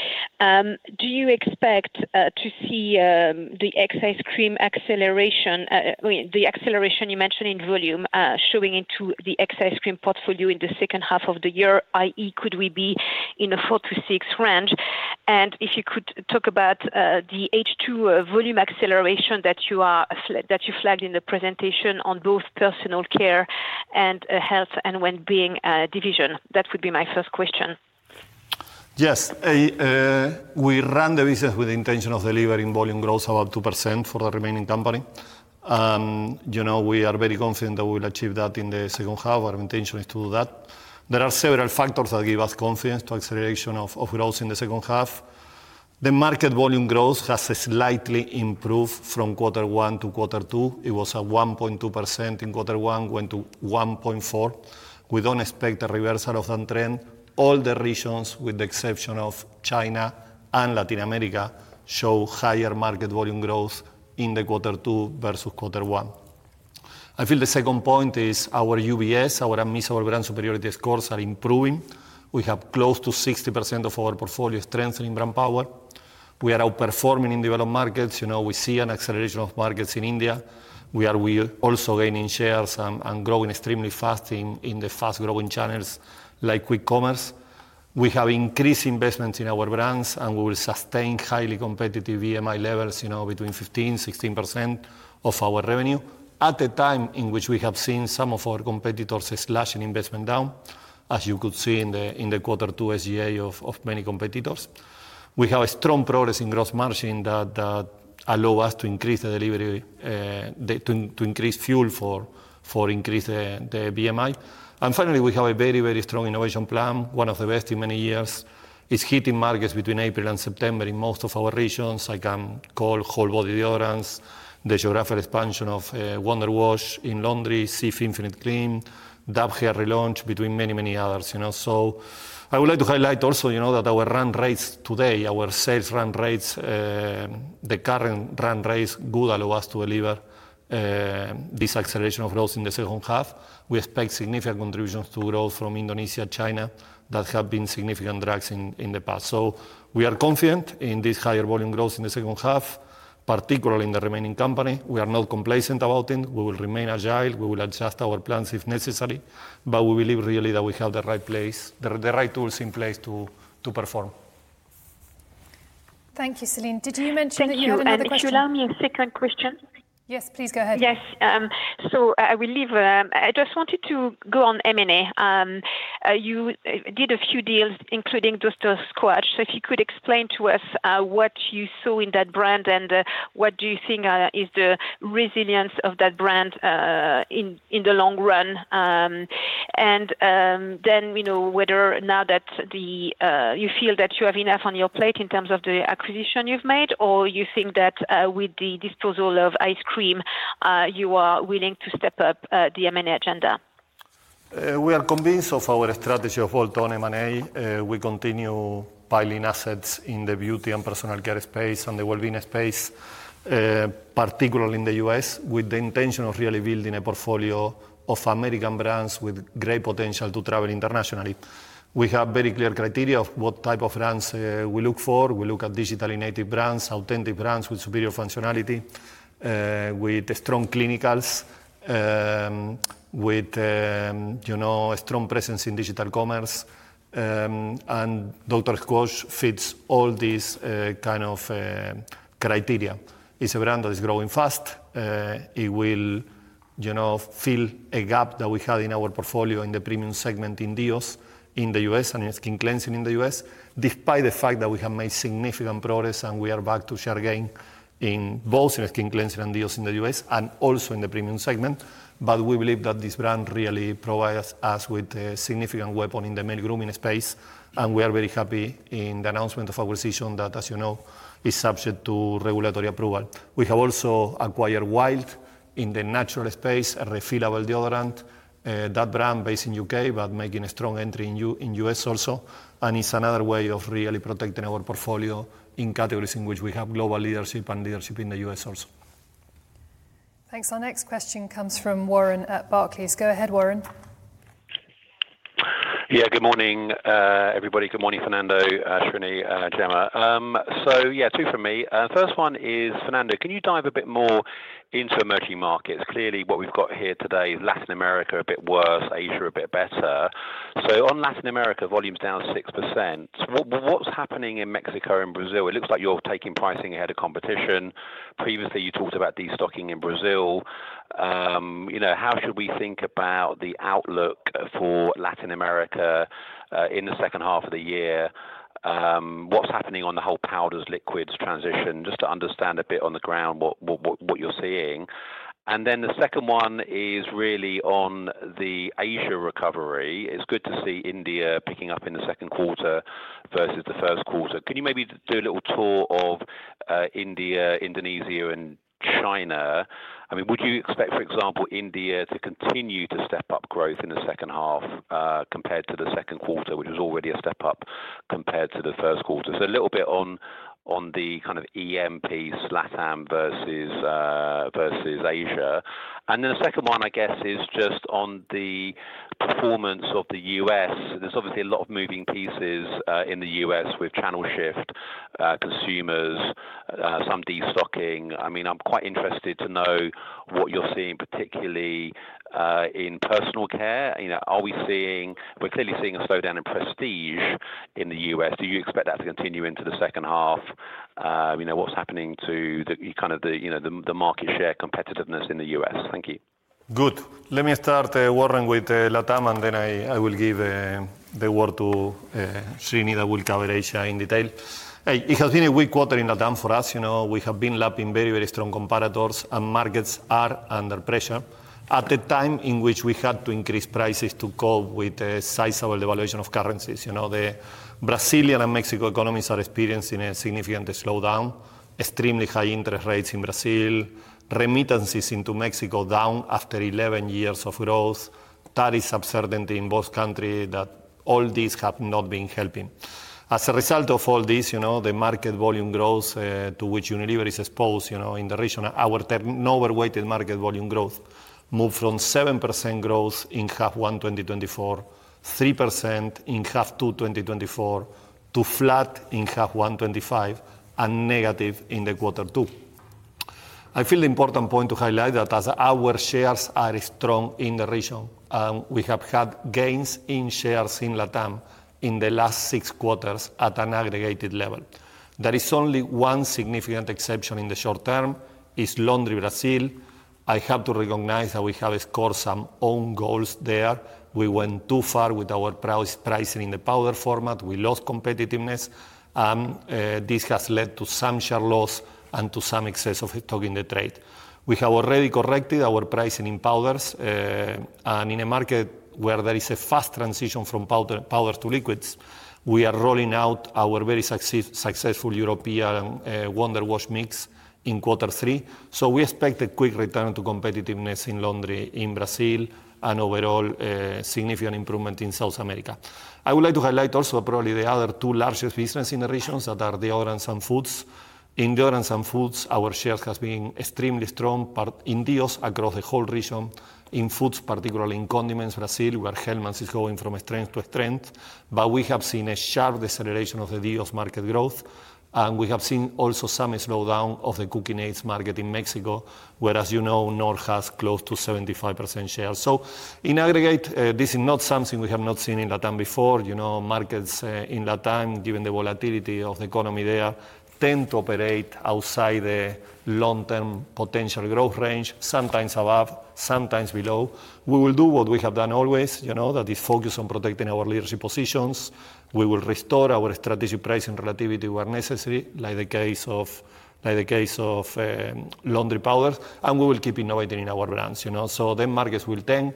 Do you expect to see the ex ice cream acceleration, I mean, the acceleration you mentioned in volume showing into the ex ice cream portfolio in the second half of the year, i.e., could we be in a 4% to 6% range? If you could talk about the H2 volume acceleration that you flagged in the presentation on both personal care and health and well-being division, that would be my first question. Yes. We run the business with the intention of delivering volume growth of up to 2% for the remaining company. We are very confident that we will achieve that in the second half. Our intention is to do that. There are several factors that give us confidence to acceleration of growth in the second half. The market volume growth has slightly improved from quarter one to quarter two. It was at 1.2% in quarter one, went to 1.4%. We don't expect a reversal of that trend. All the regions, with the exception of China and Latin America, show higher market volume growth in quarter two versus quarter one. I feel the second point is our UBS, our admissible brand superiority scores are improving. We have close to 60% of our portfolio strengthening brand power. We are outperforming in developed markets. We see an acceleration of markets in India. We are also gaining shares and growing extremely fast in the fast-growing channels like quick commerce. We have increased investments in our brands, and we will sustain highly competitive BMI levels between 15% and 16% of our revenue at a time in which we have seen some of our competitors slashing investment down, as you could see in the Q2 SGA of many competitors. We have strong progress in gross margin that allows us to increase the delivery, to increase fuel for increasing the BMI. Finally, we have a very, very strong innovation plan, one of the best in many years. It's hitting markets between April and September in most of our regions. I can call whole body deodorants, the geographic expansion of Wonderwash in laundry, Sif Infinite Clean, Dove Hair Relaunched, among many, many others. I would like to highlight also that our run rates today, our sales run rates, the current run rates could allow us to deliver this acceleration of growth in the second half. We expect significant contributions to growth from Indonesia and China that have been significant drags in the past. We are confident in this higher volume growth in the second half, particularly in the remaining company. We are not complacent about it. We will remain agile. We will adjust our plans if necessary, but we believe really that we have the right place, the right tools in place to perform. Thank you, Celine. Did you mention that you had another question? Thank you, Lam. Your second question. Yes, please go ahead. Yes. I just wanted to go on M&A. You did a few deals, including Dr. Squatch. If you could explain to us what you saw in that brand and what you think is the resilience of that brand in the long run. Then whether now that you feel that you have enough on your plate in terms of the acquisition you've made, or you think that with the disposal of ice cream, you are willing to step up the M&A agenda. We are convinced of our strategy of bolt-on M&A. We continue piling assets in the beauty and personal care space and the well-being space, particularly in the U.S., with the intention of really building a portfolio of American brands with great potential to travel internationally. We have very clear criteria of what type of brands we look for. We look at digitally native brands, authentic brands with superior functionality, with strong clinicals, with a strong presence in digital commerce. And Dr. Squatch fits all these kind of criteria. It's a brand that is growing fast. It will fill a gap that we had in our portfolio in the premium segment in deodorants in the U.S. and in skin cleansing in the U.S., despite the fact that we have made significant progress and we are back to share gain both in skin cleansing and deodorants in the U.S. and also in the premium segment. We believe that this brand really provides us with a significant weapon in the male grooming space, and we are very happy in the announcement of our decision that, as you know, is subject to regulatory approval. We have also acquired Wild in the natural space, a refillable deodorant. That brand is based in the UK, but making a strong entry in the U.S. also, and it's another way of really protecting our portfolio in categories in which we have global leadership and leadership in the U.S. also. Thanks. Our next question comes from Warren at Barclays. Go ahead, Warren. Yeah, good morning, everybody. Good morning, Fernando, Srini, Jemma. Two from me. First one is, Fernando, can you dive a bit more into emerging markets? Clearly, what we've got here today is Latin America a bit worse, Asia a bit better. On Latin America, volume's down 6%. What's happening in Mexico and Brazil? It looks like you're taking pricing ahead of competition. Previously, you talked about destocking in Brazil. How should we think about the outlook for Latin America in the second half of the year? What's happening on the whole powders-liquids transition? Just to understand a bit on the ground what you're seeing. The second one is really on the Asia recovery. It's good to see India picking up in the second quarter versus the first quarter. Can you maybe do a little tour of India, Indonesia, and China? Would you expect, for example, India to continue to step up growth in the second half compared to the second quarter, which was already a step up compared to the first quarter? A little bit on the kind of emerging markets/Latin America versus Asia. The second one, I guess, is just on the performance of the U.S. There's obviously a lot of moving pieces in the U.S. with channel shift, consumers, some destocking. I'm quite interested to know what you're seeing, particularly in personal care. We're clearly seeing a slowdown in prestige in the U.S. Do you expect that to continue into the second half? What's happening to the market share competitiveness in the U.S.? Thank you. Good. Let me start, Warren, with LatAm, and then I will give the word to Srini that will cover Asia in detail. It has been a weak quarter in LatAm for us. We have been lapping very, very strong competitors, and markets are under pressure at a time in which we had to increase prices to cope with sizable devaluation of currencies. The Brazilian and Mexico economies are experiencing a significant slowdown, extremely high interest rates in Brazil, remittances into Mexico down after 11 years of growth. That is absurd in both countries that all these have not been helping. As a result of all this, the market volume growth to which Unilever is exposed in the region, our no-overweighted market volume growth moved from 7% growth in Q1 2024, 3% in Q2 2024, to flat in Q1 2025 and negative in the quarter two. I feel the important point to highlight that as our shares are strong in the region, we have had gains in shares in LatAm in the last six quarters at an aggregated level. There is only one significant exception in the short term, is Laundry Brazil. I have to recognize that we have scored some own goals there. We went too far with our pricing in the powder format. We lost competitiveness. This has led to some share loss and to some excess of stock in the trade. We have already corrected our pricing in powders. In a market where there is a fast transition from powder to liquids, we are rolling out our very successful European Wonderwash mix in quarter three. We expect a quick return to competitiveness in laundry in Brazil and overall significant improvement in South America. I would like to highlight also probably the other two largest businesses in the regions that are deodorants and foods. In deodorants and foods, our shares have been extremely strong, in Dios, across the whole region, in foods, particularly in condiments, Brazil, where Hellmann's is going from strength to strength. We have seen a sharp deceleration of the Dios market growth, and we have seen also some slowdown of the cooking aids market in Mexico, where, as you know, Noor has close to 75% shares. In aggregate, this is not something we have not seen in LatAm before. Markets in LatAm, given the volatility of the economy there, tend to operate outside the long-term potential growth range, sometimes above, sometimes below. We will do what we have done always, that is focus on protecting our leadership positions. We will restore our strategic pricing relativity where necessary, like the case of laundry powders, and we will keep innovating in our brands. Markets will tend.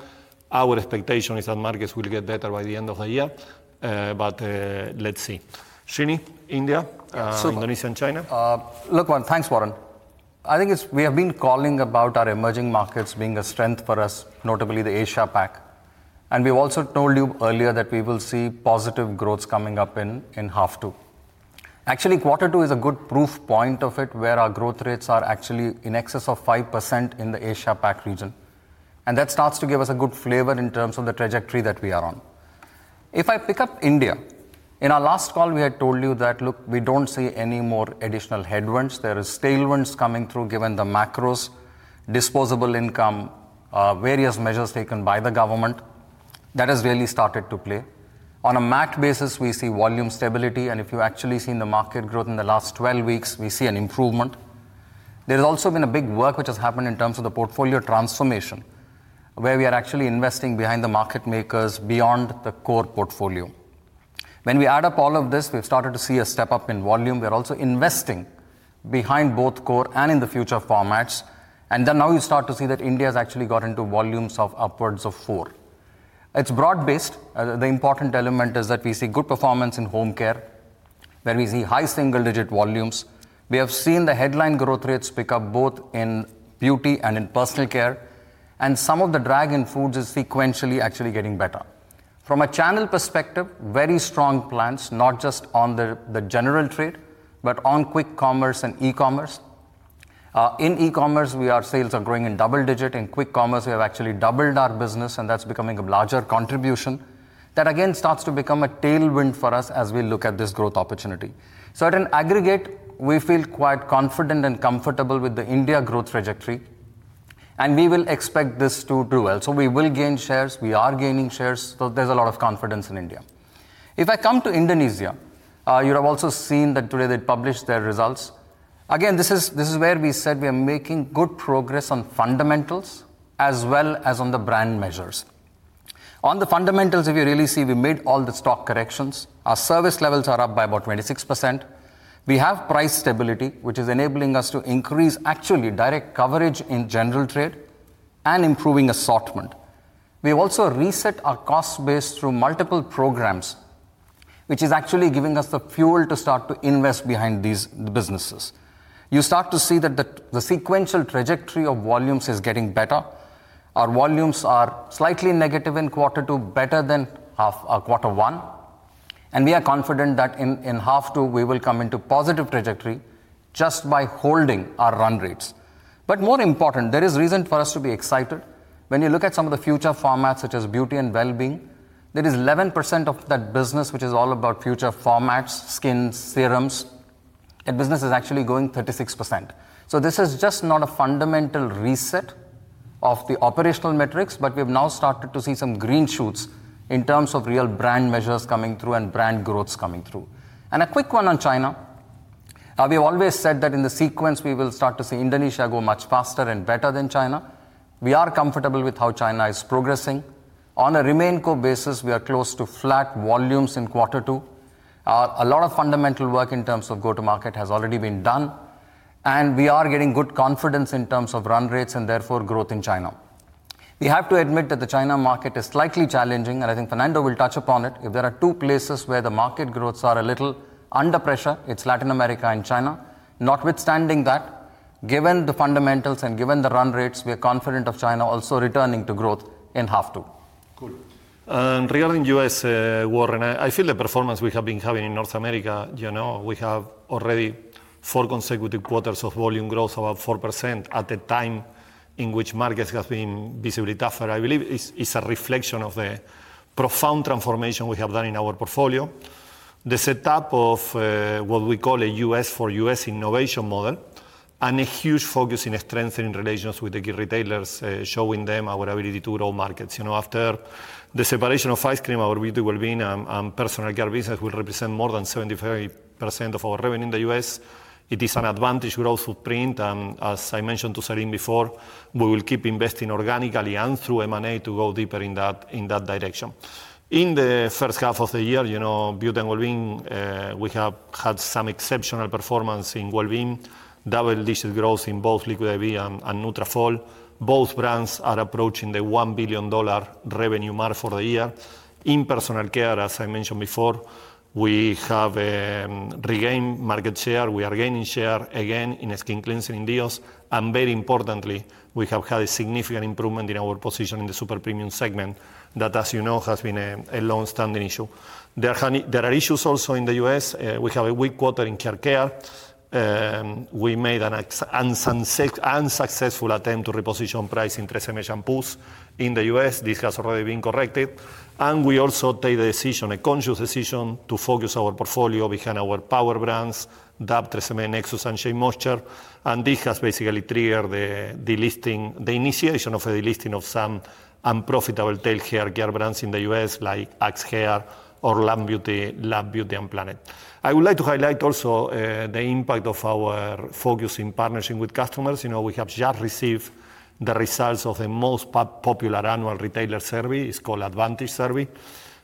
Our expectation is that markets will get better by the end of the year, but let's see. Srini, India, Indonesia, and China? Look, Warren, thanks, Warren. I think we have been calling about our emerging markets being a strength for us, notably the Asia-Pacific-Africa. We've also told you earlier that we will see positive growths coming up in half two. Actually, quarter two is a good proof point of it, where our growth rates are actually in excess of 5% in the Asia-Pacific-Africa region. That starts to give us a good flavor in terms of the trajectory that we are on. If I pick up India, in our last call, we had told you that we don't see any more additional headwinds. There are tailwinds coming through, given the macros, disposable income, various measures taken by the government. That has really started to play. On a MACD basis, we see volume stability. If you've actually seen the market growth in the last 12 weeks, we see an improvement. There has also been a big work which has happened in terms of the portfolio transformation, where we are actually investing behind the market makers beyond the core portfolio. When we add up all of this, we've started to see a step up in volume. We're also investing behind both core and in the future formats. Now you start to see that India has actually got into volumes of upwards of four. It's broad-based. The important element is that we see good performance in home care, where we see high single-digit volumes. We have seen the headline growth rates pick up both in beauty and in personal care. Some of the drag in foods is sequentially actually getting better. From a channel perspective, very strong plants, not just on the general trade, but on quick commerce and e-commerce. In e-commerce, our sales are growing in double digit. In quick commerce, we have actually doubled our business, and that's becoming a larger contribution that, again, starts to become a tailwind for us as we look at this growth opportunity. In aggregate, we feel quite confident and comfortable with the India growth trajectory, and we will expect this to do well. We will gain shares. We are gaining shares. There's a lot of confidence in India. If I come to Indonesia, you have also seen that today they published their results. Again, this is where we said we are making good progress on fundamentals as well as on the brand measures. On the fundamentals, if you really see, we made all the stock corrections. Our service levels are up by about 26%. We have price stability, which is enabling us to increase actually direct coverage in general trade and improving assortment. We have also reset our cost base through multiple programs, which is actually giving us the fuel to start to invest behind these businesses. You start to see that the sequential trajectory of volumes is getting better. Our volumes are slightly negative in quarter two, better than quarter one. We are confident that in half two, we will come into positive trajectory just by holding our run rates. More important, there is reason for us to be excited. When you look at some of the future formats, such as beauty and well-being, there is 11% of that business, which is all about future formats, skin serums, that business is actually going 36%. This is just not a fundamental reset of the operational metrics, but we have now started to see some green shoots in terms of real brand measures coming through and brand growths coming through. A quick one on China. We have always said that in the sequence, we will start to see Indonesia go much faster and better than China. We are comfortable with how China is progressing. On a remain core basis, we are close to flat volumes in quarter two. A lot of fundamental work in terms of go-to-market has already been done, and we are getting good confidence in terms of run rates and therefore growth in China. We have to admit that the China market is slightly challenging, and I think Fernando will touch upon it. If there are two places where the market growths are a little under pressure, it's Latin America and China. Notwithstanding that, given the fundamentals and given the run rates, we are confident of China also returning to growth in half two. Good. Regarding U.S., Warren, I feel the performance we have been having in North America, we have already four consecutive quarters of volume growth, about 4% at a time in which markets have been visibly tougher. I believe it's a reflection of the profound transformation we have done in our portfolio, the setup of what we call a U.S. for U.S. innovation model, and a huge focus in strengthening relations with the key retailers, showing them our ability to grow markets. After the separation of ice cream, our beauty, well-being, and personal care business will represent more than 75% of our revenue in the U.S. It is an advantage growth footprint. As I mentioned to Srini before, we will keep investing organically and through M&A to go deeper in that direction. In the first half of the year, beauty and well-being, we have had some exceptional performance in well-being, double-digit growth in both Liquid I.V. and Nutrafol. Both brands are approaching the $1 billion revenue mark for the year. In personal care, as I mentioned before, we have regained market share. We are gaining share again in skin cleansing in Dios. Very importantly, we have had a significant improvement in our position in the super premium segment that, as you know, has been a long-standing issue. There are issues also in the U.S. We have a weak quarter in hair care. We made an unsuccessful attempt to reposition price in Tresemmé shampoos in the U.S. This has already been corrected. We also take the decision, a conscious decision, to focus our portfolio behind our power brands, Dove, Tresemmé, Nexxus, and Shea Moisture. This has basically triggered the initiation of a delisting of some unprofitable tail hair care brands in the U.S., like Axe Hair or Love Beauty and Planet. I would like to highlight also the impact of our focus in partnership with customers. We have just received the results of the most popular annual retailer survey. It's called Advantage Survey.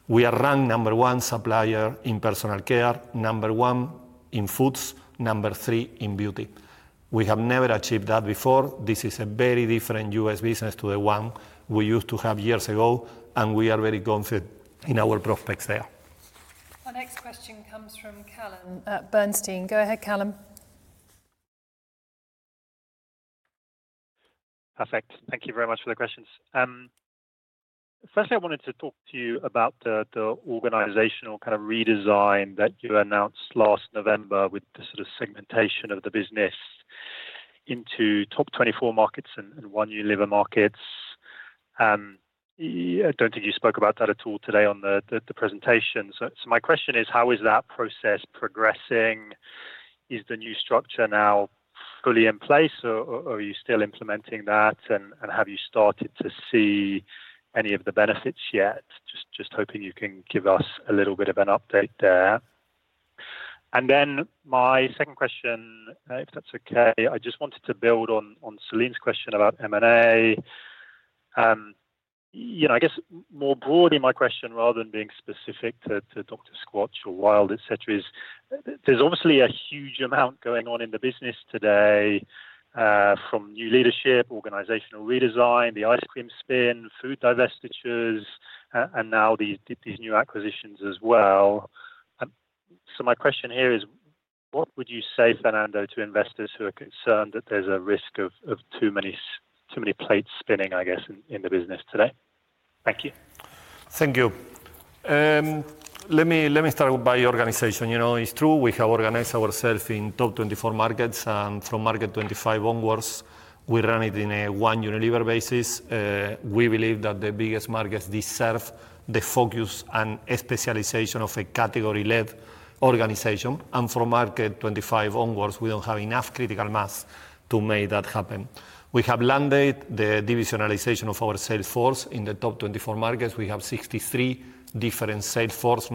We are ranked number one supplier in personal care, number one in foods, number three in beauty. We have never achieved that before. This is a very different U.S. business to the one we used to have years ago, and we are very confident in our prospects there. Our next question comes from Callum Bernstein. Go ahead, Callum. Perfect. Thank you very much for the questions. Firstly, I wanted to talk to you about the organizational kind of redesign that you announced last November with the sort of segmentation of the business into top 24 markets and One Unilever markets. I don't think you spoke about that at all today on the presentation. My question is, how is that process progressing? Is the new structure now fully in place, or are you still implementing that? Have you started to see any of the benefits yet? Just hoping you can give us a little bit of an update there. My second question, if that's okay, I just wanted to build on Srini's question about M&A. I guess more broadly, my question, rather than being specific to Dr. Squatch or Wild, etc., is there's obviously a huge amount going on in the business today. From new leadership, organizational redesign, the ice cream spin, food divestitures, and now these new acquisitions as well. My question here is, what would you say, Fernando, to investors who are concerned that there's a risk of too many plates spinning, I guess, in the business today? Thank you. Thank you. Let me start by organization. It's true. We have organized ourselves in top 24 markets, and from market 25 onwards, we ran it in a one Unilever basis. We believe that the biggest markets deserve the focus and specialization of a category-led organization. From market 25 onwards, we don't have enough critical mass to make that happen. We have landed the divisionalization of our sales force in the top 24 markets. We have 63 different sales forces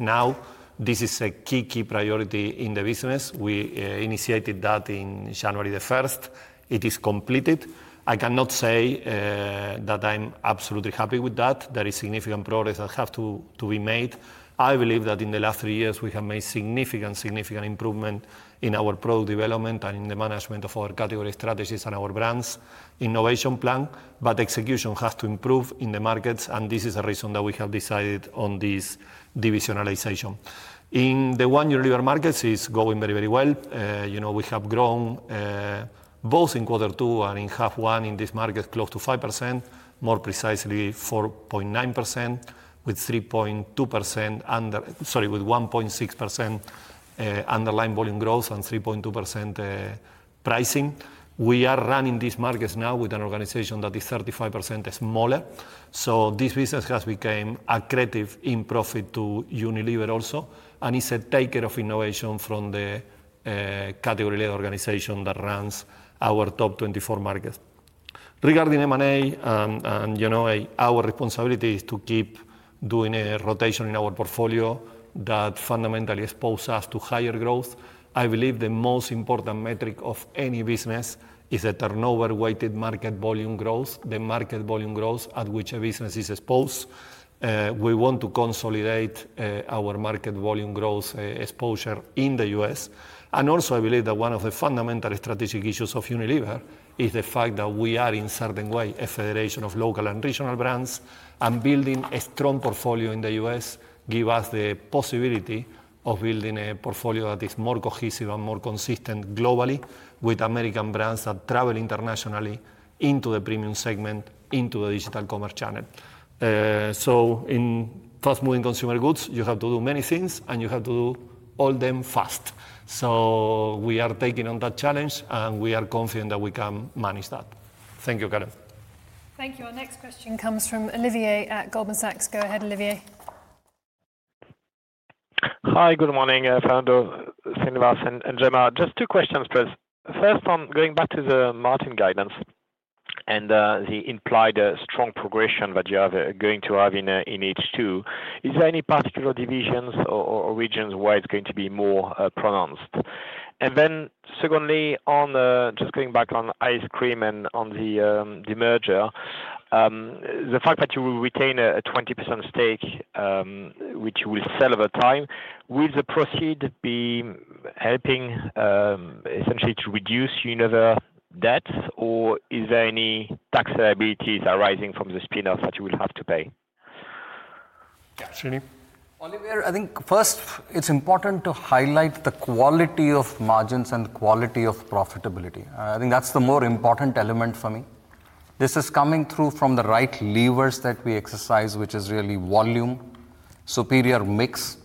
now. This is a key, key priority in the business. We initiated that on January 1. It is completed. I cannot say that I'm absolutely happy with that. There is significant progress that has to be made. I believe that in the last three years, we have made significant, significant improvement in our product development and in the management of our category strategies and our brands innovation plan. Execution has to improve in the markets, and this is the reason that we have decided on this divisionalization. In the one Unilever markets, it's going very, very well. We have grown both in quarter two and in half one in this market, close to 5%, more precisely 4.9%, with 3.2%. Sorry, with 1.6% underlying volume growth and 3.2% pricing. We are running these markets now with an organization that is 35% smaller. This business has become accretive in profit to Unilever also, and it's a taker of innovation from the category-led organization that runs our top 24 markets. Regarding M&A, our responsibility is to keep doing a rotation in our portfolio that fundamentally exposes us to higher growth. I believe the most important metric of any business is the turnover-weighted market volume growth, the market volume growth at which a business is exposed. We want to consolidate our market volume growth exposure in the U.S. I believe that one of the fundamental strategic issues of Unilever is the fact that we are, in a certain way, a federation of local and regional brands, and building a strong portfolio in the U.S. gives us the possibility of building a portfolio that is more cohesive and more consistent globally with American brands that travel internationally into the premium segment, into the digital commerce channel. In fast-moving consumer goods, you have to do many things, and you have to do all of them fast. We are taking on that challenge, and we are confident that we can manage that. Thank you, Callum. Thank you. Our next question comes from Olivier at Goldman Sachs Group. Go ahead, Olivier. Hi, good morning, Fernando, Srini, and Jemma. Just two questions, please. First, going back to the marketing guidance and the implied strong progression that you are going to have in H2, is there any particular divisions or regions where it's going to be more pronounced? Secondly, going back on ice cream and on the demerger, the fact that you will retain a 20% stake, which you will sell over time, will the proceeds be helping essentially to reduce Unilever debts, or is there any tax liabilities arising from the spin-off that you will have to pay? Yeah, Srini. Olivier, I think first, it's important to highlight the quality of margins and quality of profitability. I think that's the more important element for me. This is coming through from the right levers that we exercise, which is really volume, superior mix,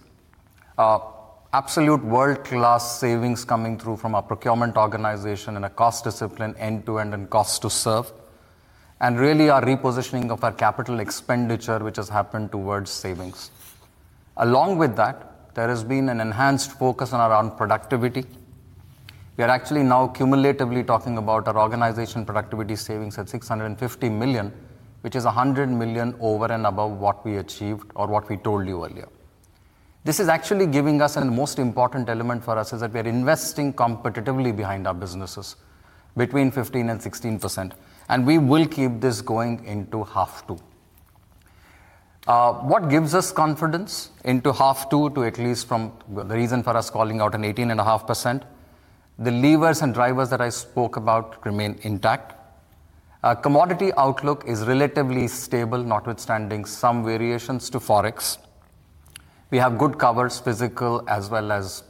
absolute world-class savings coming through from our procurement organization and a cost discipline end-to-end and cost to serve, and really our repositioning of our capital expenditure, which has happened towards savings. Along with that, there has been an enhanced focus on our own productivity. We are actually now cumulatively talking about our organization productivity savings at $650 million, which is $100 million over and above what we achieved or what we told you earlier. This is actually giving us, and the most important element for us is that we are investing competitively behind our businesses between 15% and 16%, and we will keep this going into half two. What gives us confidence into half two, at least from the reason for us calling out an 18.5%, the levers and drivers that I spoke about remain intact. Commodity outlook is relatively stable, notwithstanding some variations to Forex. We have good covers, physical as well as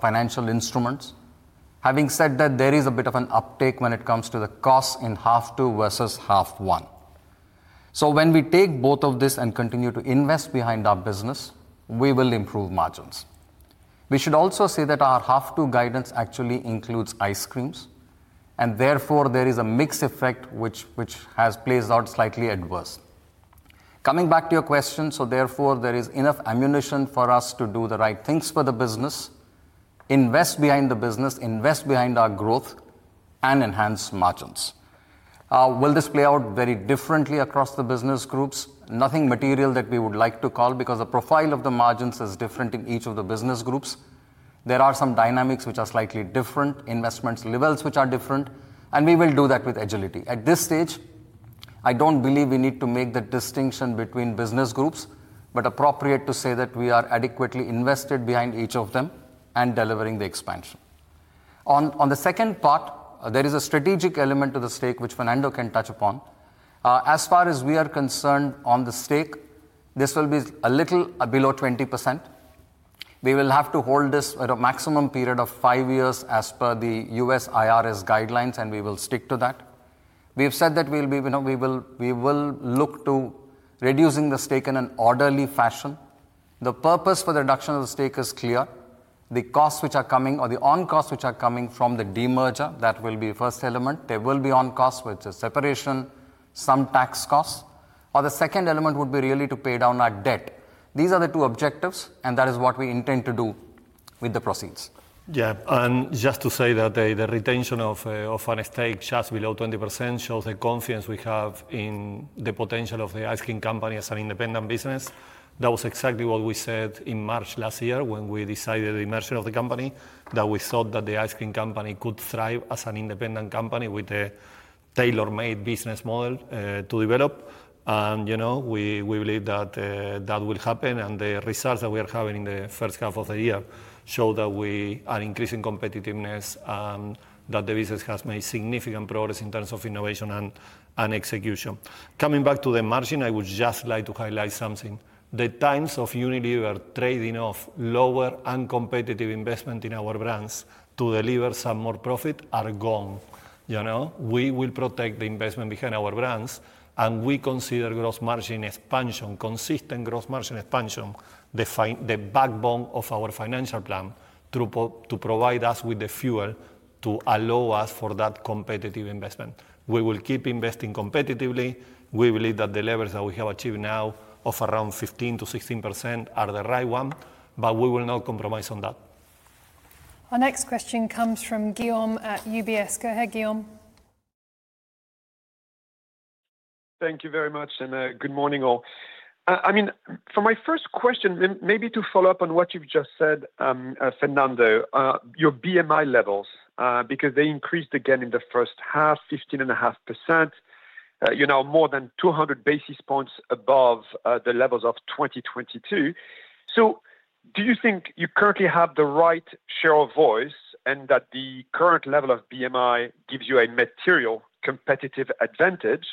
financial instruments. Having said that, there is a bit of an uptick when it comes to the cost in half two versus half one. When we take both of this and continue to invest behind our business, we will improve margins. We should also say that our half two guidance actually includes ice creams, and therefore there is a mixed effect which has played out slightly adverse. Coming back to your question, there is enough ammunition for us to do the right things for the business. Invest behind the business, invest behind our growth, and enhance margins. Will this play out very differently across the business groups? Nothing material that we would like to call because the profile of the margins is different in each of the business groups. There are some dynamics which are slightly different, investment levels which are different, and we will do that with agility. At this stage, I don't believe we need to make the distinction between business groups, but appropriate to say that we are adequately invested behind each of them and delivering the expansion. On the second part, there is a strategic element to the stake which Fernando Fernandez can touch upon. As far as we are concerned on the stake, this will be a little below 20%. We will have to hold this at a maximum period of five years as per the U.S. IRS guidelines, and we will stick to that. We have said that we will look to reducing the stake in an orderly fashion. The purpose for the reduction of the stake is clear. The costs which are coming or the on-costs which are coming from the demerger, that will be the first element. There will be on-costs with the separation, some tax costs. The second element would be really to pay down our debt. These are the two objectives, and that is what we intend to do with the proceeds. Yeah. Just to say that the retention of an estate just below 20% shows the confidence we have in the potential of the Magnum Ice Cream Company as an independent business. That was exactly what we said in March last year when we decided the demerger of the company, that we thought that the ice cream company could thrive as an independent company with a tailor-made business model to develop. We believe that that will happen, and the results that we are having in the first half of the year show that we are increasing competitiveness and that the business has made significant progress in terms of innovation and execution. Coming back to the margin, I would just like to highlight something. The times of Unilever trading off lower uncompetitive investment in our brands to deliver some more profit are gone. We will protect the investment behind our brands, and we consider gross margin expansion, consistent gross margin expansion, the backbone of our financial plan to provide us with the fuel to allow us for that competitive investment. We will keep investing competitively. We believe that the levers that we have achieved now of around 15% to 16% are the right one, but we will not compromise on that. Our next question comes from Guillaume at UBS. Go ahead, Guillaume. Thank you very much, and good morning all. For my first question, maybe to follow up on what you've just said, Fernando, your BMI levels, because they increased again in the first half, 15.5%. More than 200 basis points above the levels of 2022. Do you think you currently have the right share of voice and that the current level of BMI gives you a material competitive advantage,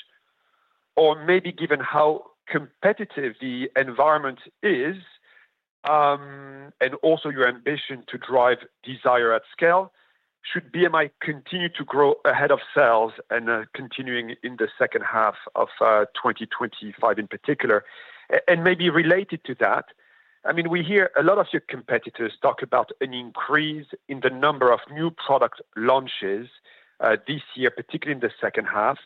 or maybe given how competitive the environment is, and also your ambition to drive desire at scale, should BMI continue to grow ahead of sales and continuing in the second half of 2025 in particular? Maybe related to that, we hear a lot of your competitors talk about an increase in the number of new product launches this year, particularly in the second half.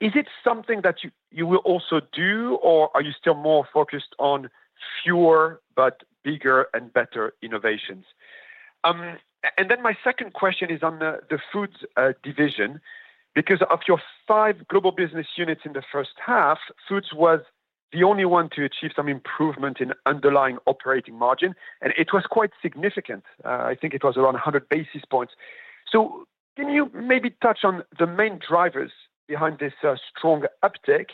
Is it something that you will also do, or are you still more focused on fewer but bigger and better innovations? My second question is on the foods division. Because of your five global business units in the first half, foods was the only one to achieve some improvement in underlying operating margin, and it was quite significant. I think it was around 100 basis points. Can you maybe touch on the main drivers behind this strong uptake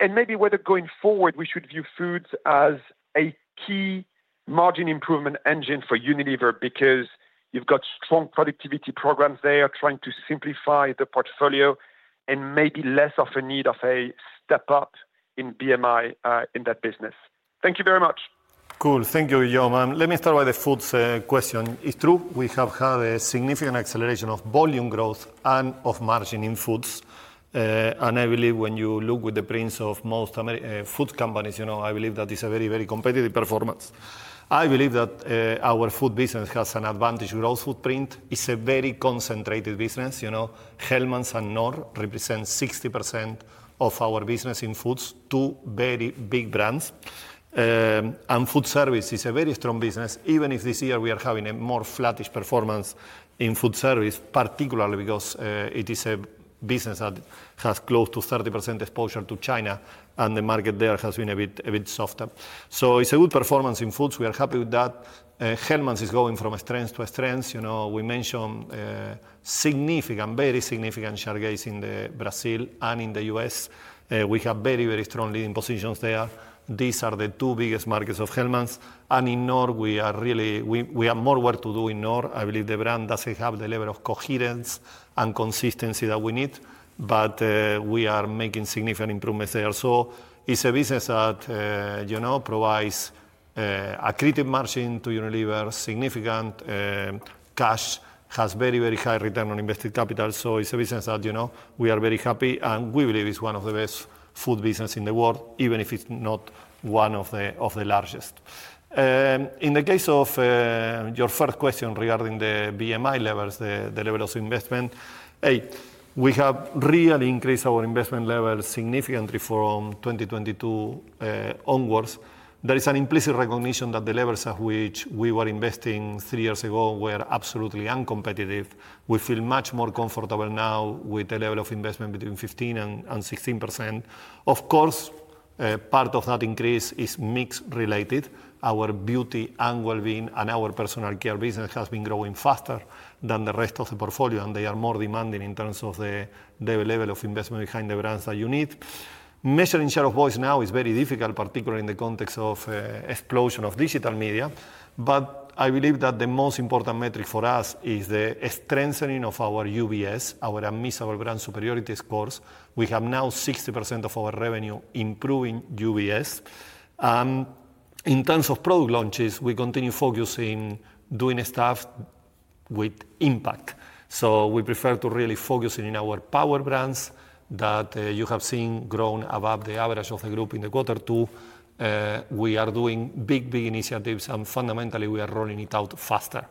and maybe whether going forward we should view foods as a key margin improvement engine for Unilever because you've got strong productivity programs there trying to simplify the portfolio and maybe less of a need of a step-up in BMI in that business. Thank you very much. Cool. Thank you, Guillaume. Let me start with the foods question. It's true we have had a significant acceleration of volume growth and of margin in foods. I believe when you look with the prints of most food companies, I believe that is a very, very competitive performance. I believe that our food business has an advantage growth footprint. It's a very concentrated business. Hellmann's and Knorr represent 60% of our business in foods, two very big brands. Food service is a very strong business, even if this year we are having a more flattish performance in food service, particularly because it is a business that has close to 30% exposure to China, and the market there has been a bit softer. It's a good performance in foods. We are happy with that. Hellmann's is going from strength to strength. We mentioned significant, very significant share gain in Brazil and in the U.S. We have very, very strong leading positions there. These are the two biggest markets of Hellmann's. In Knorr, we have more work to do in Knorr. I believe the brand doesn't have the level of coherence and consistency that we need, but we are making significant improvements there. It's a business that provides a creative margin to Unilever, significant cash, has very, very high return on invested capital. It's a business that we are very happy, and we believe it's one of the best food businesses in the world, even if it's not one of the largest. In the case of your first question regarding the BMI levels, the level of investment, we have really increased our investment levels significantly from 2022 onwards. There is an implicit recognition that the levels at which we were investing three years ago were absolutely uncompetitive. We feel much more comfortable now with the level of investment between 15% and 16%. Of course, part of that increase is mix-related. Our Beauty and Well-being and our Personal Care business has been growing faster than the rest of the portfolio, and they are more demanding in terms of the level of investment behind the brands that you need. Measuring share of voice now is very difficult, particularly in the context of explosion of digital media. I believe that the most important metric for us is the strengthening of our UBS, our admissible brand superiority scores. We have now 60% of our revenue improving UBS. In terms of product launches, we continue focusing on doing stuff with impact. We prefer to really focus in our power brands that you have seen grow above the average of the group in the quarter two. We are doing big, big initiatives, and fundamentally, we are rolling it out faster.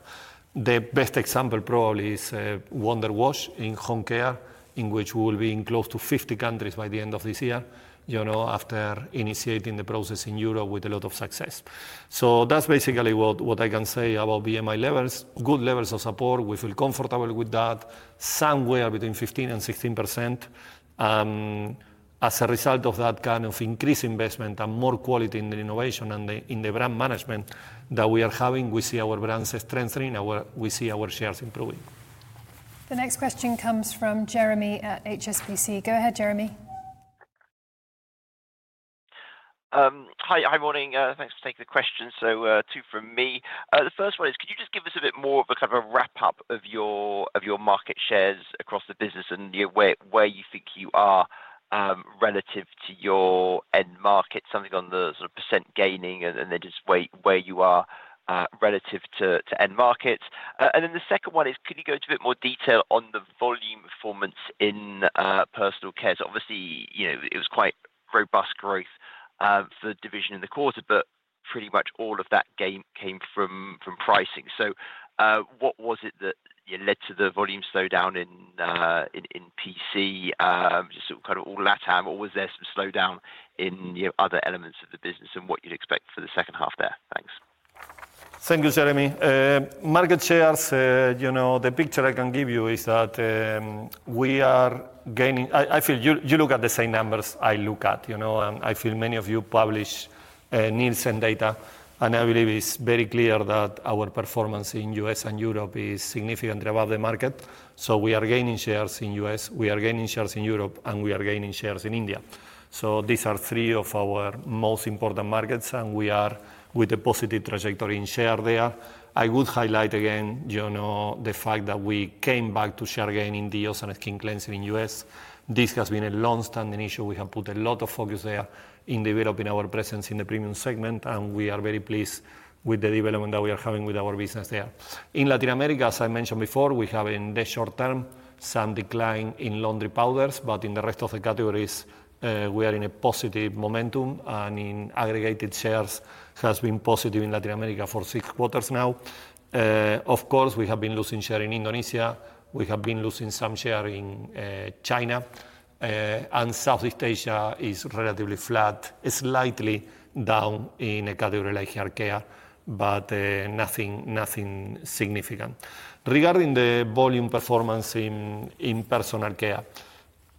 The best example probably is Wonderwash in home care, in which we will be in close to 50 countries by the end of this year after initiating the process in Europe with a lot of success. That's basically what I can say about BMI levels. Good levels of support. We feel comfortable with that, somewhere between 15% and 16%. As a result of that kind of increased investment and more quality in the innovation and in the brand management that we are having, we see our brands strengthening. We see our shares improving. The next question comes from Jeremy at HSBC. Go ahead, Jeremy. Hi, good morning. Thanks for taking the question. Two from me. The first one is, could you just give us a bit more of a kind of a wrap-up of your market shares across the business and where you think you are relative to your end market, something on the sort of % gaining, and then just where you are relative to end market? The second one is, could you go into a bit more detail on the volume performance in personal care? Obviously, it was quite robust growth for the division in the quarter, but pretty much all of that came from pricing. What was it that led to the volume slowdown in PC, just kind of all that? Or was there some slowdown in other elements of the business and what you'd expect for the second half there? Thanks. Thank you, Jeremy. Market shares, the picture I can give you is that we are gaining. I feel you look at the same numbers I look at, and I feel many of you publish Nielsen data, and I believe it's very clear that our performance in the U.S. and Europe is significantly above the market. We are gaining shares in the U.S., we are gaining shares in Europe, and we are gaining shares in India. These are three of our most important markets, and we are with a positive trajectory in share there. I would highlight again the fact that we came back to share gain in deos and skin cleansing in the U.S. This has been a long-standing issue. We have put a lot of focus there in developing our presence in the premium segment, and we are very pleased with the development that we are having with our business there. In Latin America, as I mentioned before, we have in the short term some decline in laundry powders, but in the rest of the categories, we are in a positive momentum, and in aggregated shares, it has been positive in Latin America for six quarters now. Of course, we have been losing share in Indonesia. We have been losing some share in China. Southeast Asia is relatively flat, slightly down in a category like hair care, but nothing significant. Regarding the volume performance in personal care,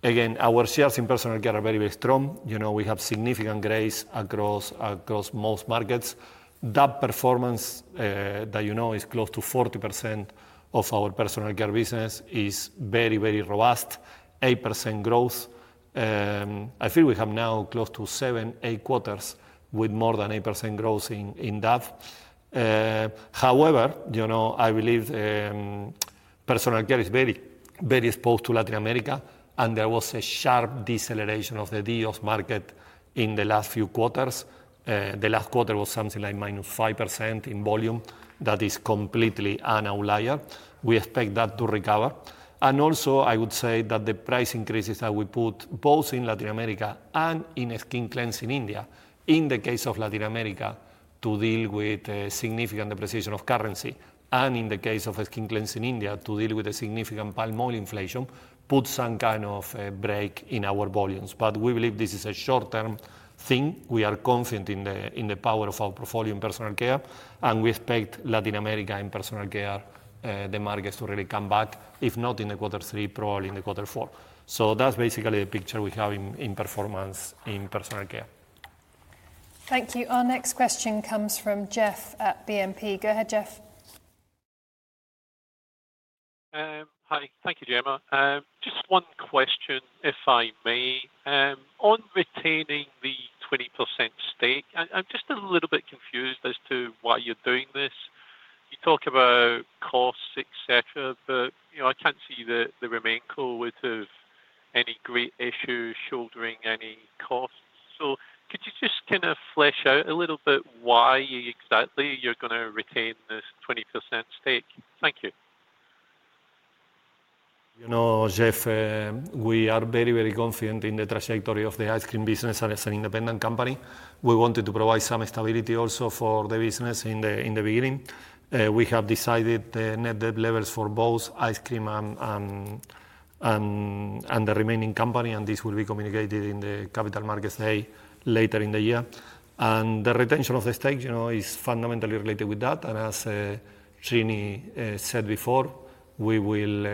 our shares in personal care are very, very strong. We have significant grace across most markets. That performance, as you know, is close to 40% of our personal care business and is very, very robust, 8% growth. I feel we have now close to seven, eight quarters with more than 8% growth in that. However, I believe personal care is very exposed to Latin America, and there was a sharp deceleration of the deos market in the last few quarters. The last quarter was something like -5% in volume. That is completely unlikely. We expect that to recover. I would also say that the price increases that we put both in Latin America and in skin cleansing India, in the case of Latin America, to deal with significant depreciation of currency, and in the case of skin cleansing India, to deal with significant palm oil inflation, put some kind of a break in our volumes. We believe this is a short-term thing. We are confident in the power of our portfolio in personal care, and we expect Latin America in personal care, the markets to really come back, if not in quarter three, probably in quarter four. That's basically the picture we have in performance in personal care. Thank you. Our next question comes from Jeff at BNP Paribas Exane. Go ahead, Jeff. Hi, thank you, Gemma. Just one question, if I may. On retaining the 20% stake, I'm just a little bit confused as to why you're doing this. You talk about costs, etc., but I can't see the remaining core would have any great issues shouldering any costs. Could you just kind of flesh out a little bit why exactly you're going to retain this 20% stake? Thank you. Jeff, we are very, very confident in the trajectory of the ice cream business as an independent company. We wanted to provide some stability also for the business in the beginning. We have decided net debt levels for both ice cream and the remaining company, and this will be communicated in the capital markets later in the year. The retention of the stake is fundamentally related with that. As Srini said before, we will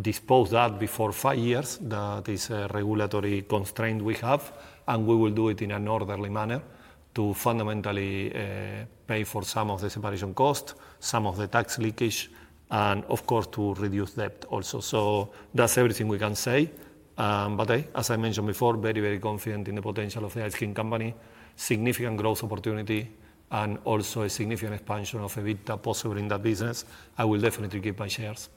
dispose that before five years. That is a regulatory constraint we have, and we will do it in an orderly manner to fundamentally pay for some of the separation costs, some of the tax leakage, and of course, to reduce debt also. That's everything we can say. As I mentioned before, very, very confident in the potential of the ice cream company, significant growth opportunity, and also a significant expansion of EBITDA possible in that business. I will definitely keep my shares.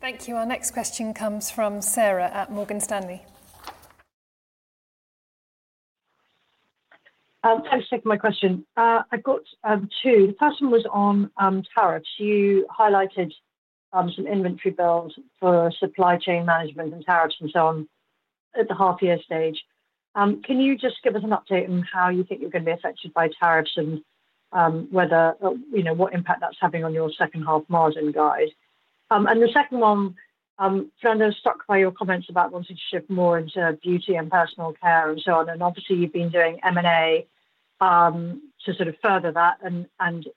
Thank you. Our next question comes from Sarah at Morgan Stanley. Thanks for my question. I've got two. The first one was on tariffs. You highlighted some inventory builds for supply chain management and tariffs and so on at the half-year stage. Can you just give us an update on how you think you're going to be affected by tariffs and what impact that's having on your second-half margin guide? The second one, Fernando, struck by your comments about wanting to shift more into beauty and personal care and so on. Obviously, you've been doing M&A to sort of further that and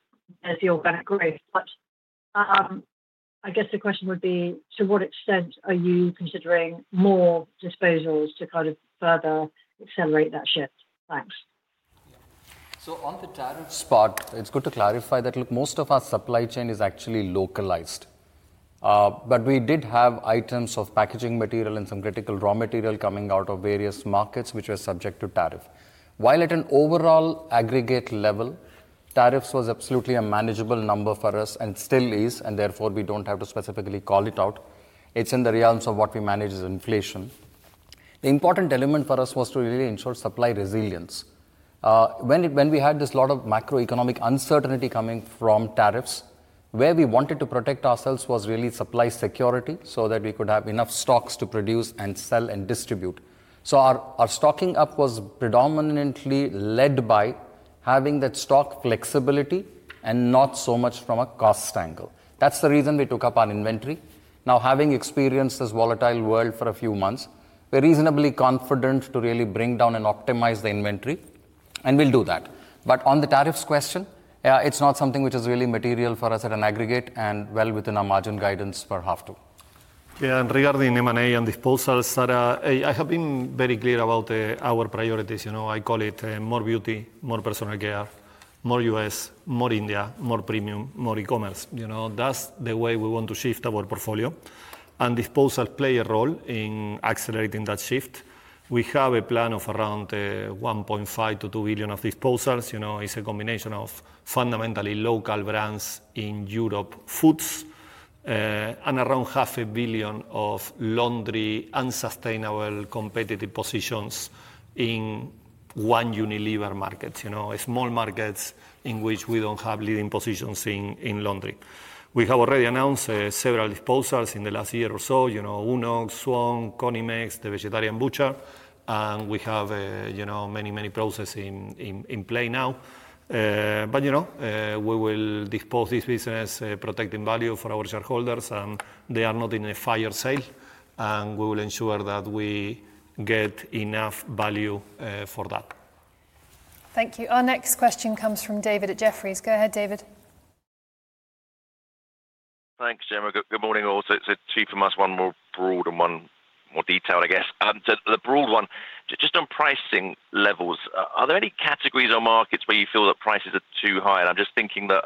the organic growth. I guess the question would be, to what extent are you considering more disposals to kind of further accelerate that shift? Thanks. On the tariffs part, it's good to clarify that most of our supply chain is actually localized. We did have items of packaging material and some critical raw material coming out of various markets, which were subject to tariff. While at an overall aggregate level, tariffs was absolutely a manageable number for us and still is, and therefore we don't have to specifically call it out. It's in the realms of what we manage as inflation. The important element for us was to really ensure supply resilience. When we had this lot of macro-economic uncertainty coming from tariffs, where we wanted to protect ourselves was really supply security so that we could have enough stocks to produce and sell and distribute. Our stocking up was predominantly led by having that stock flexibility and not so much from a cost angle. That's the reason we took up our inventory. Now, having experienced this volatile world for a few months, we're reasonably confident to really bring down and optimize the inventory, and we'll do that. On the tariffs question, it's not something which is really material for us at an aggregate and well within our margin guidance for half two. Regarding M&A and disposals, Sarah, I have been very clear about our priorities. I call it more beauty, more personal care, more U.S., more India, more premium, more e-commerce. That's the way we want to shift our portfolio. Disposals play a role in accelerating that shift. We have a plan of around 1.5 to 2 billion of disposals. It's a combination of fundamentally local brands in Europe Foods and around half a billion of laundry unsustainable competitive positions in one Unilever market, small markets in which we don't have leading positions in laundry. We have already announced several disposals in the last year or so: Uno, Swan, Conimex, the Vegetarian Butcher. We have many, many processes in play now. We will dispose this business, protecting value for our shareholders, and they are not in a fire sale. We will ensure that we get enough value for that. Thank you. Our next question comes from David at Jefferies. Go ahead, David. Thanks, Gemma. Good morning all. It's a chief amongst one more broad and one more detailed, I guess. The broad one, just on pricing levels, are there any categories or markets where you feel that prices are too high? I'm just thinking that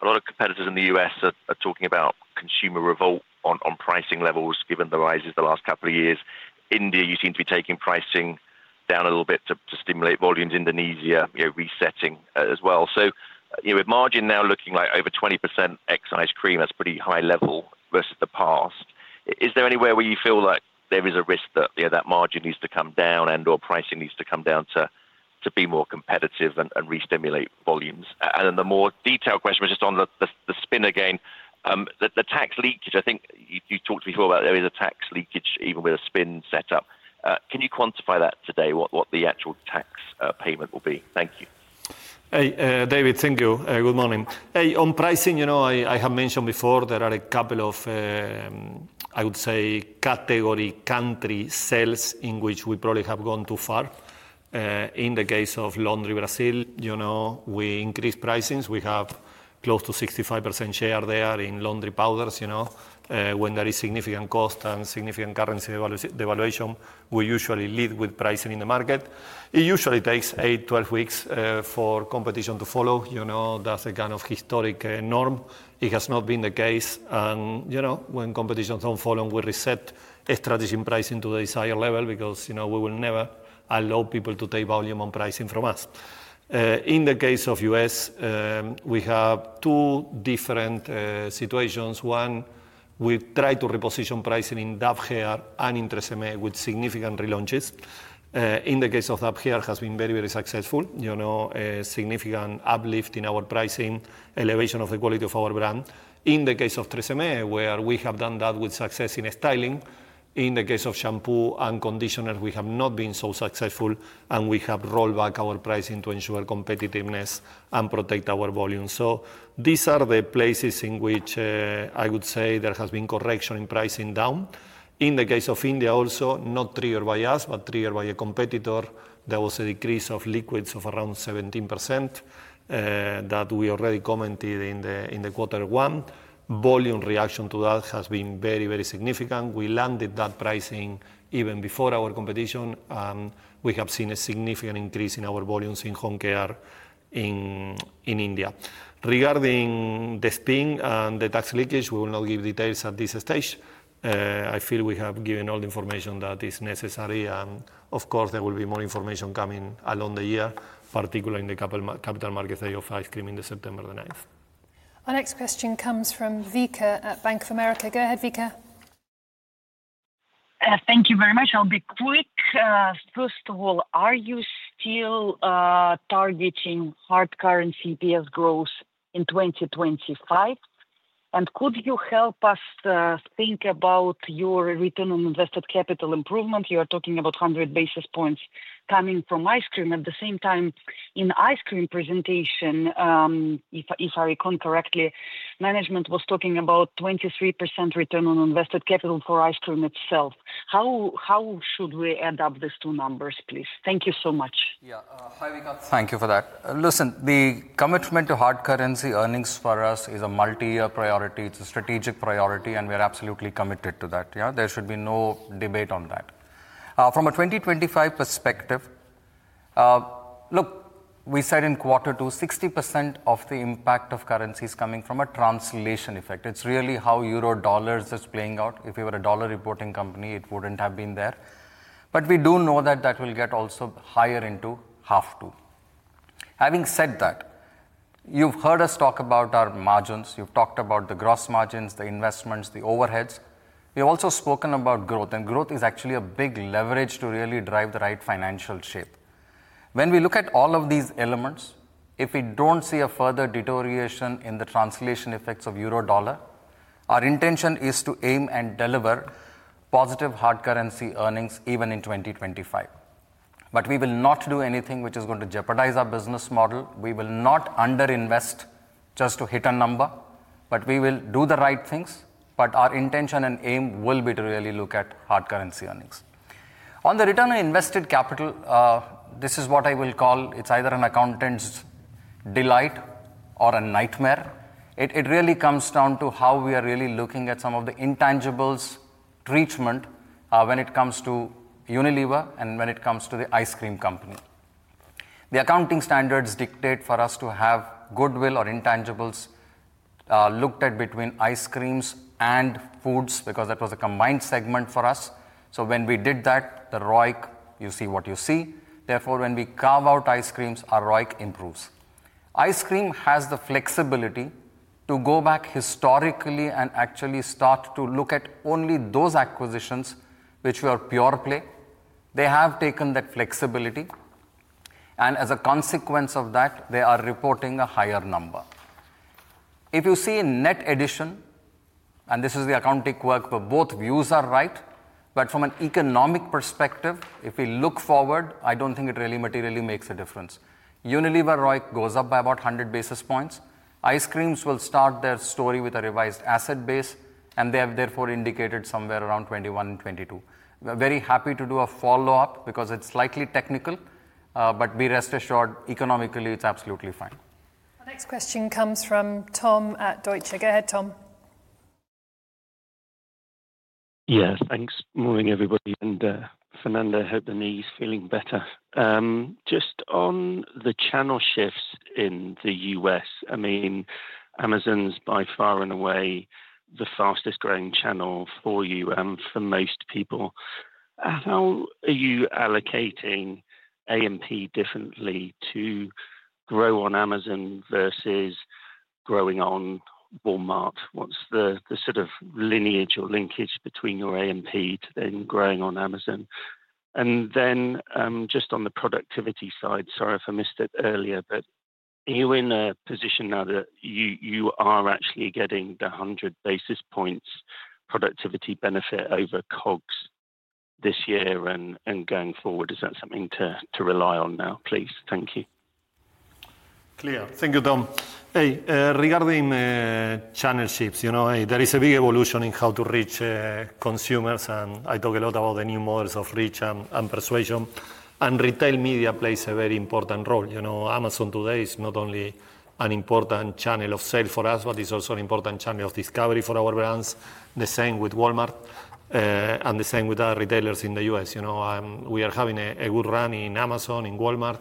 a lot of competitors in the U.S. are talking about consumer revolt on pricing levels given the rises the last couple of years. India, you seem to be taking pricing down a little bit to stimulate volumes. Indonesia, resetting as well. With margin now looking like over 20% ex ice cream, that's pretty high level versus the past. Is there anywhere where you feel like there is a risk that that margin needs to come down and/or pricing needs to come down to be more competitive and restimulate volumes? The more detailed question was just on the spin again. The tax leakage, I think you talked to me before about there is a tax leakage even with a spin setup. Can you quantify that today, what the actual tax payment will be? Thank you. David, thank you. Good morning. On pricing, I have mentioned before there are a couple of, I would say, category country sales in which we probably have gone too far. In the case of laundry, Brazil. We increase pricings. We have close to 65% share there in laundry powders. When there is significant cost and significant currency devaluation, we usually lead with pricing in the market. It usually takes 8, 12 weeks for competition to follow. That's a kind of historic norm. It has not been the case. When competitions don't follow, we reset strategy and pricing to the desired level because we will never allow people to take volume on pricing from us. In the case of U.S., we have two different situations. One, we try to reposition pricing in Dove Hair and in Tresemmé with significant relaunches. In the case of Dove Hair, it has been very, very successful. Significant uplift in our pricing, elevation of the quality of our brand. In the case of Tresemmé, where we have done that with success in styling. In the case of shampoo and conditioner, we have not been so successful, and we have rolled back our pricing to ensure competitiveness and protect our volume. These are the places in which I would say there has been correction in pricing down. In the case of India, also, not triggered by us, but triggered by a competitor, there was a decrease of liquids of around 17%. That we already commented in quarter one. Volume reaction to that has been very, very significant. We landed that pricing even before our competition, and we have seen a significant increase in our volumes in home care in India. Regarding the spin and the tax leakage, we will not give details at this stage. I feel we have given all the information that is necessary. Of course, there will be more information coming along the year, particularly in the capital markets day of ice cream in September 9. Our next question comes from Vianka at Bank of America. Go ahead, Vianka. Thank you very much. I'll be quick. First of all, are you still targeting hard currency EPS growth in 2025? And could you help us think about your return on invested capital improvement? You are talking about 100 basis points coming from ice cream. At the same time, in ice cream presentation. If I recall correctly, management was talking about 23% return on invested capital for ice cream itself. How should we add up these two numbers, please? Thank you so much. Yeah, hi, Vianka. Thank you for that. Listen, the commitment to hard currency earnings for us is a multi-year priority. It's a strategic priority, and we are absolutely committed to that. There should be no debate on that. From a 2025 perspective. Look, we said in quarter two, 60% of the impact of currencies coming from a translation effect. It's really how euro dollars is playing out. If we were a dollar reporting company, it wouldn't have been there. We do know that that will get also higher into half two. Having said that, you've heard us talk about our margins. You've talked about the gross margins, the investments, the overheads. We have also spoken about growth, and growth is actually a big leverage to really drive the right financial shape. When we look at all of these elements, if we don't see a further deterioration in the translation effects of euro dollar, our intention is to aim and deliver positive hard currency earnings even in 2025. We will not do anything which is going to jeopardize our business model. We will not underinvest just to hit a number, we will do the right things. Our intention and aim will be to really look at hard currency earnings. On the return on invested capital, this is what I will call it's either an accountant's delight or a nightmare. It really comes down to how we are really looking at some of the intangibles treatment when it comes to Unilever and when it comes to the ice cream company. The accounting standards dictate for us to have goodwill or intangibles looked at between ice creams and foods because that was a combined segment for us. When we did that, the ROIC, you see what you see. Therefore, when we carve out ice creams, our ROIC improves. Ice cream has the flexibility to go back historically and actually start to look at only those acquisitions which were pure play. They have taken that flexibility. As a consequence of that, they are reporting a higher number. If you see net addition. This is the accounting work, but both views are right. From an economic perspective, if we look forward, I don't think it really materially makes a difference. Unilever ROIC goes up by about 100 basis points. Ice creams will start their story with a revised asset base, and they have therefore indicated somewhere around 21 and 22. Very happy to do a follow-up because it's slightly technical. Be rest assured, economically, it's absolutely fine. Our next question comes from Tom at Deutsche Bank. Go ahead, Tom. Yes, thanks. Morning, everybody. Fernando, I hope the knee is feeling better. Just on the channel shifts in the U.S., Amazon's by far and away the fastest growing channel for you and for most people. How are you allocating A&P differently to grow on Amazon versus growing on Walmart? What's the sort of lineage or linkage between your A&P to then growing on Amazon? Just on the productivity side, sorry if I missed it earlier, are you in a position now that you are actually getting the 100 basis points productivity benefit over COGS this year and going forward? Is that something to rely on now, please? Thank you. Clear. Thank you, Tom. Hey, regarding. Channel shifts, there is a big evolution in how to reach consumers, and I talk a lot about the new models of reach and persuasion. Retail media plays a very important role. Amazon today is not only an important channel of sale for us, but it's also an important channel of discovery for our brands. The same with Walmart, and the same with other retailers in the U.S. We are having a good run in Amazon, in Walmart.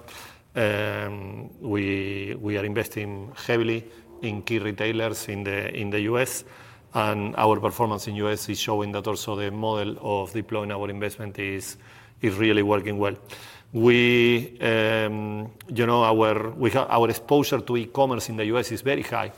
We are investing heavily in key retailers in the U.S., and our performance in the U.S. is showing that also the model of deploying our investment is really working well. Our exposure to e-commerce in the U.S. is very high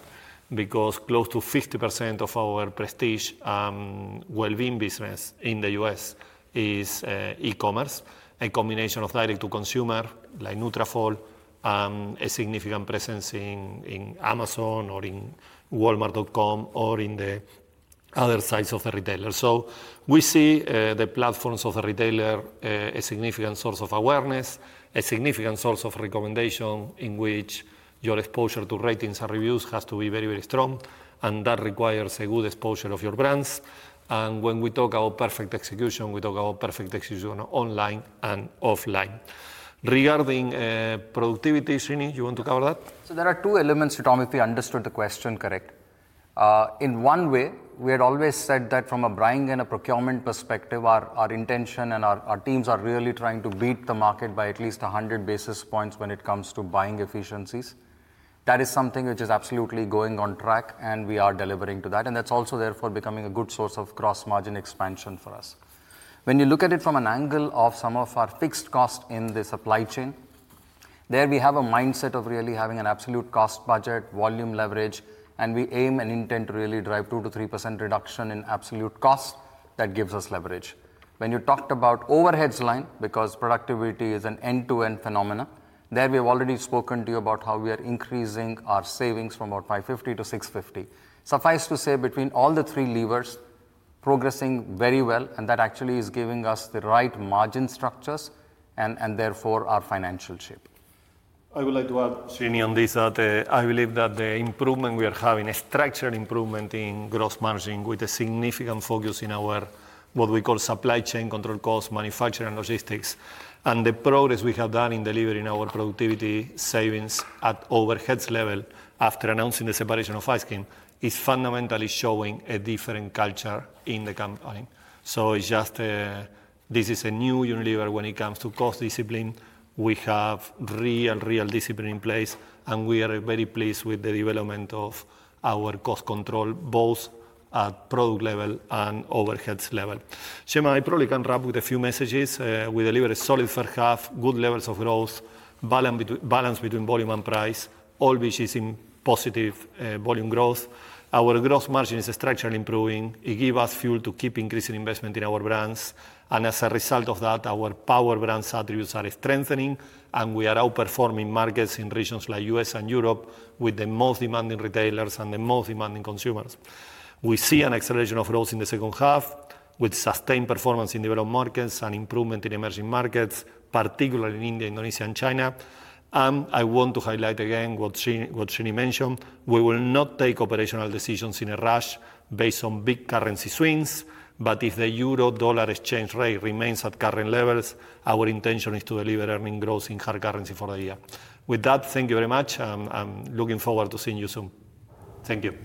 because close to 50% of our prestige well-being business in the U.S. is e-commerce, a combination of direct-to-consumer like Nutrafol, a significant presence in Amazon or in Walmart.com or in the other sites of the retailer. We see the platforms of the retailer as a significant source of awareness, a significant source of recommendation in which your exposure to ratings and reviews has to be very, very strong. That requires a good exposure of your brands. When we talk about perfect execution, we talk about perfect execution online and offline. Regarding productivity srini, you want to cover that? There are two elements to Tom if we understood the question correct. In one way, we had always said that from a buying and a procurement perspective, our intention and our teams are really trying to beat the market by at least 100 basis points when it comes to buying efficiencies. That is something which is absolutely going on track, and we are delivering to that. That is also therefore becoming a good source of gross margin expansion for us. When you look at it from an angle of some of our fixed costs in the supply chain, there we have a mindset of really having an absolute cost budget, volume leverage, and we aim and intend to really drive 2% to 3% reduction in absolute costs that gives us leverage. When you talked about overheads line, because productivity is an end-to-end phenomenon, there we have already spoken to you about how we are increasing our savings from about $550 million to $650 million. Suffice to say, between all the three levers, progressing very well, and that actually is giving us the right margin structures and therefore our financial shape. I would like to add screening on this that I believe that the improvement we are having, a structured improvement in gross margin with a significant focus in our what we call supply chain control costs, manufacturing and logistics. The progress we have done in delivering our productivity savings at overheads level after announcing the separation of ice cream is fundamentally showing a different culture in the company. This is a new Unilever when it comes to cost discipline. We have real, real discipline in place, and we are very pleased with the development of our cost control, both at product level and overheads level. Gemma, I probably can wrap with a few messages. We deliver a solid first half, good levels of growth, balance between volume and price, all which is in positive volume growth. Our gross margin is structurally improving. It gives us fuel to keep increasing investment in our brands. As a result of that, our power brand attributes are strengthening, and we are outperforming markets in regions like U.S. and Europe with the most demanding retailers and the most demanding consumers. We see an acceleration of growth in the second half with sustained performance in developed markets and improvement in emerging markets, particularly in India, Indonesia, and China. I want to highlight again what Srini mentioned. We will not take operational decisions in a rush based on big currency swings. If the euro dollar exchange rate remains at current levels, our intention is to deliver earning growth in hard currency for the year. With that, thank you very much. I'm looking forward to seeing you soon. Thank you.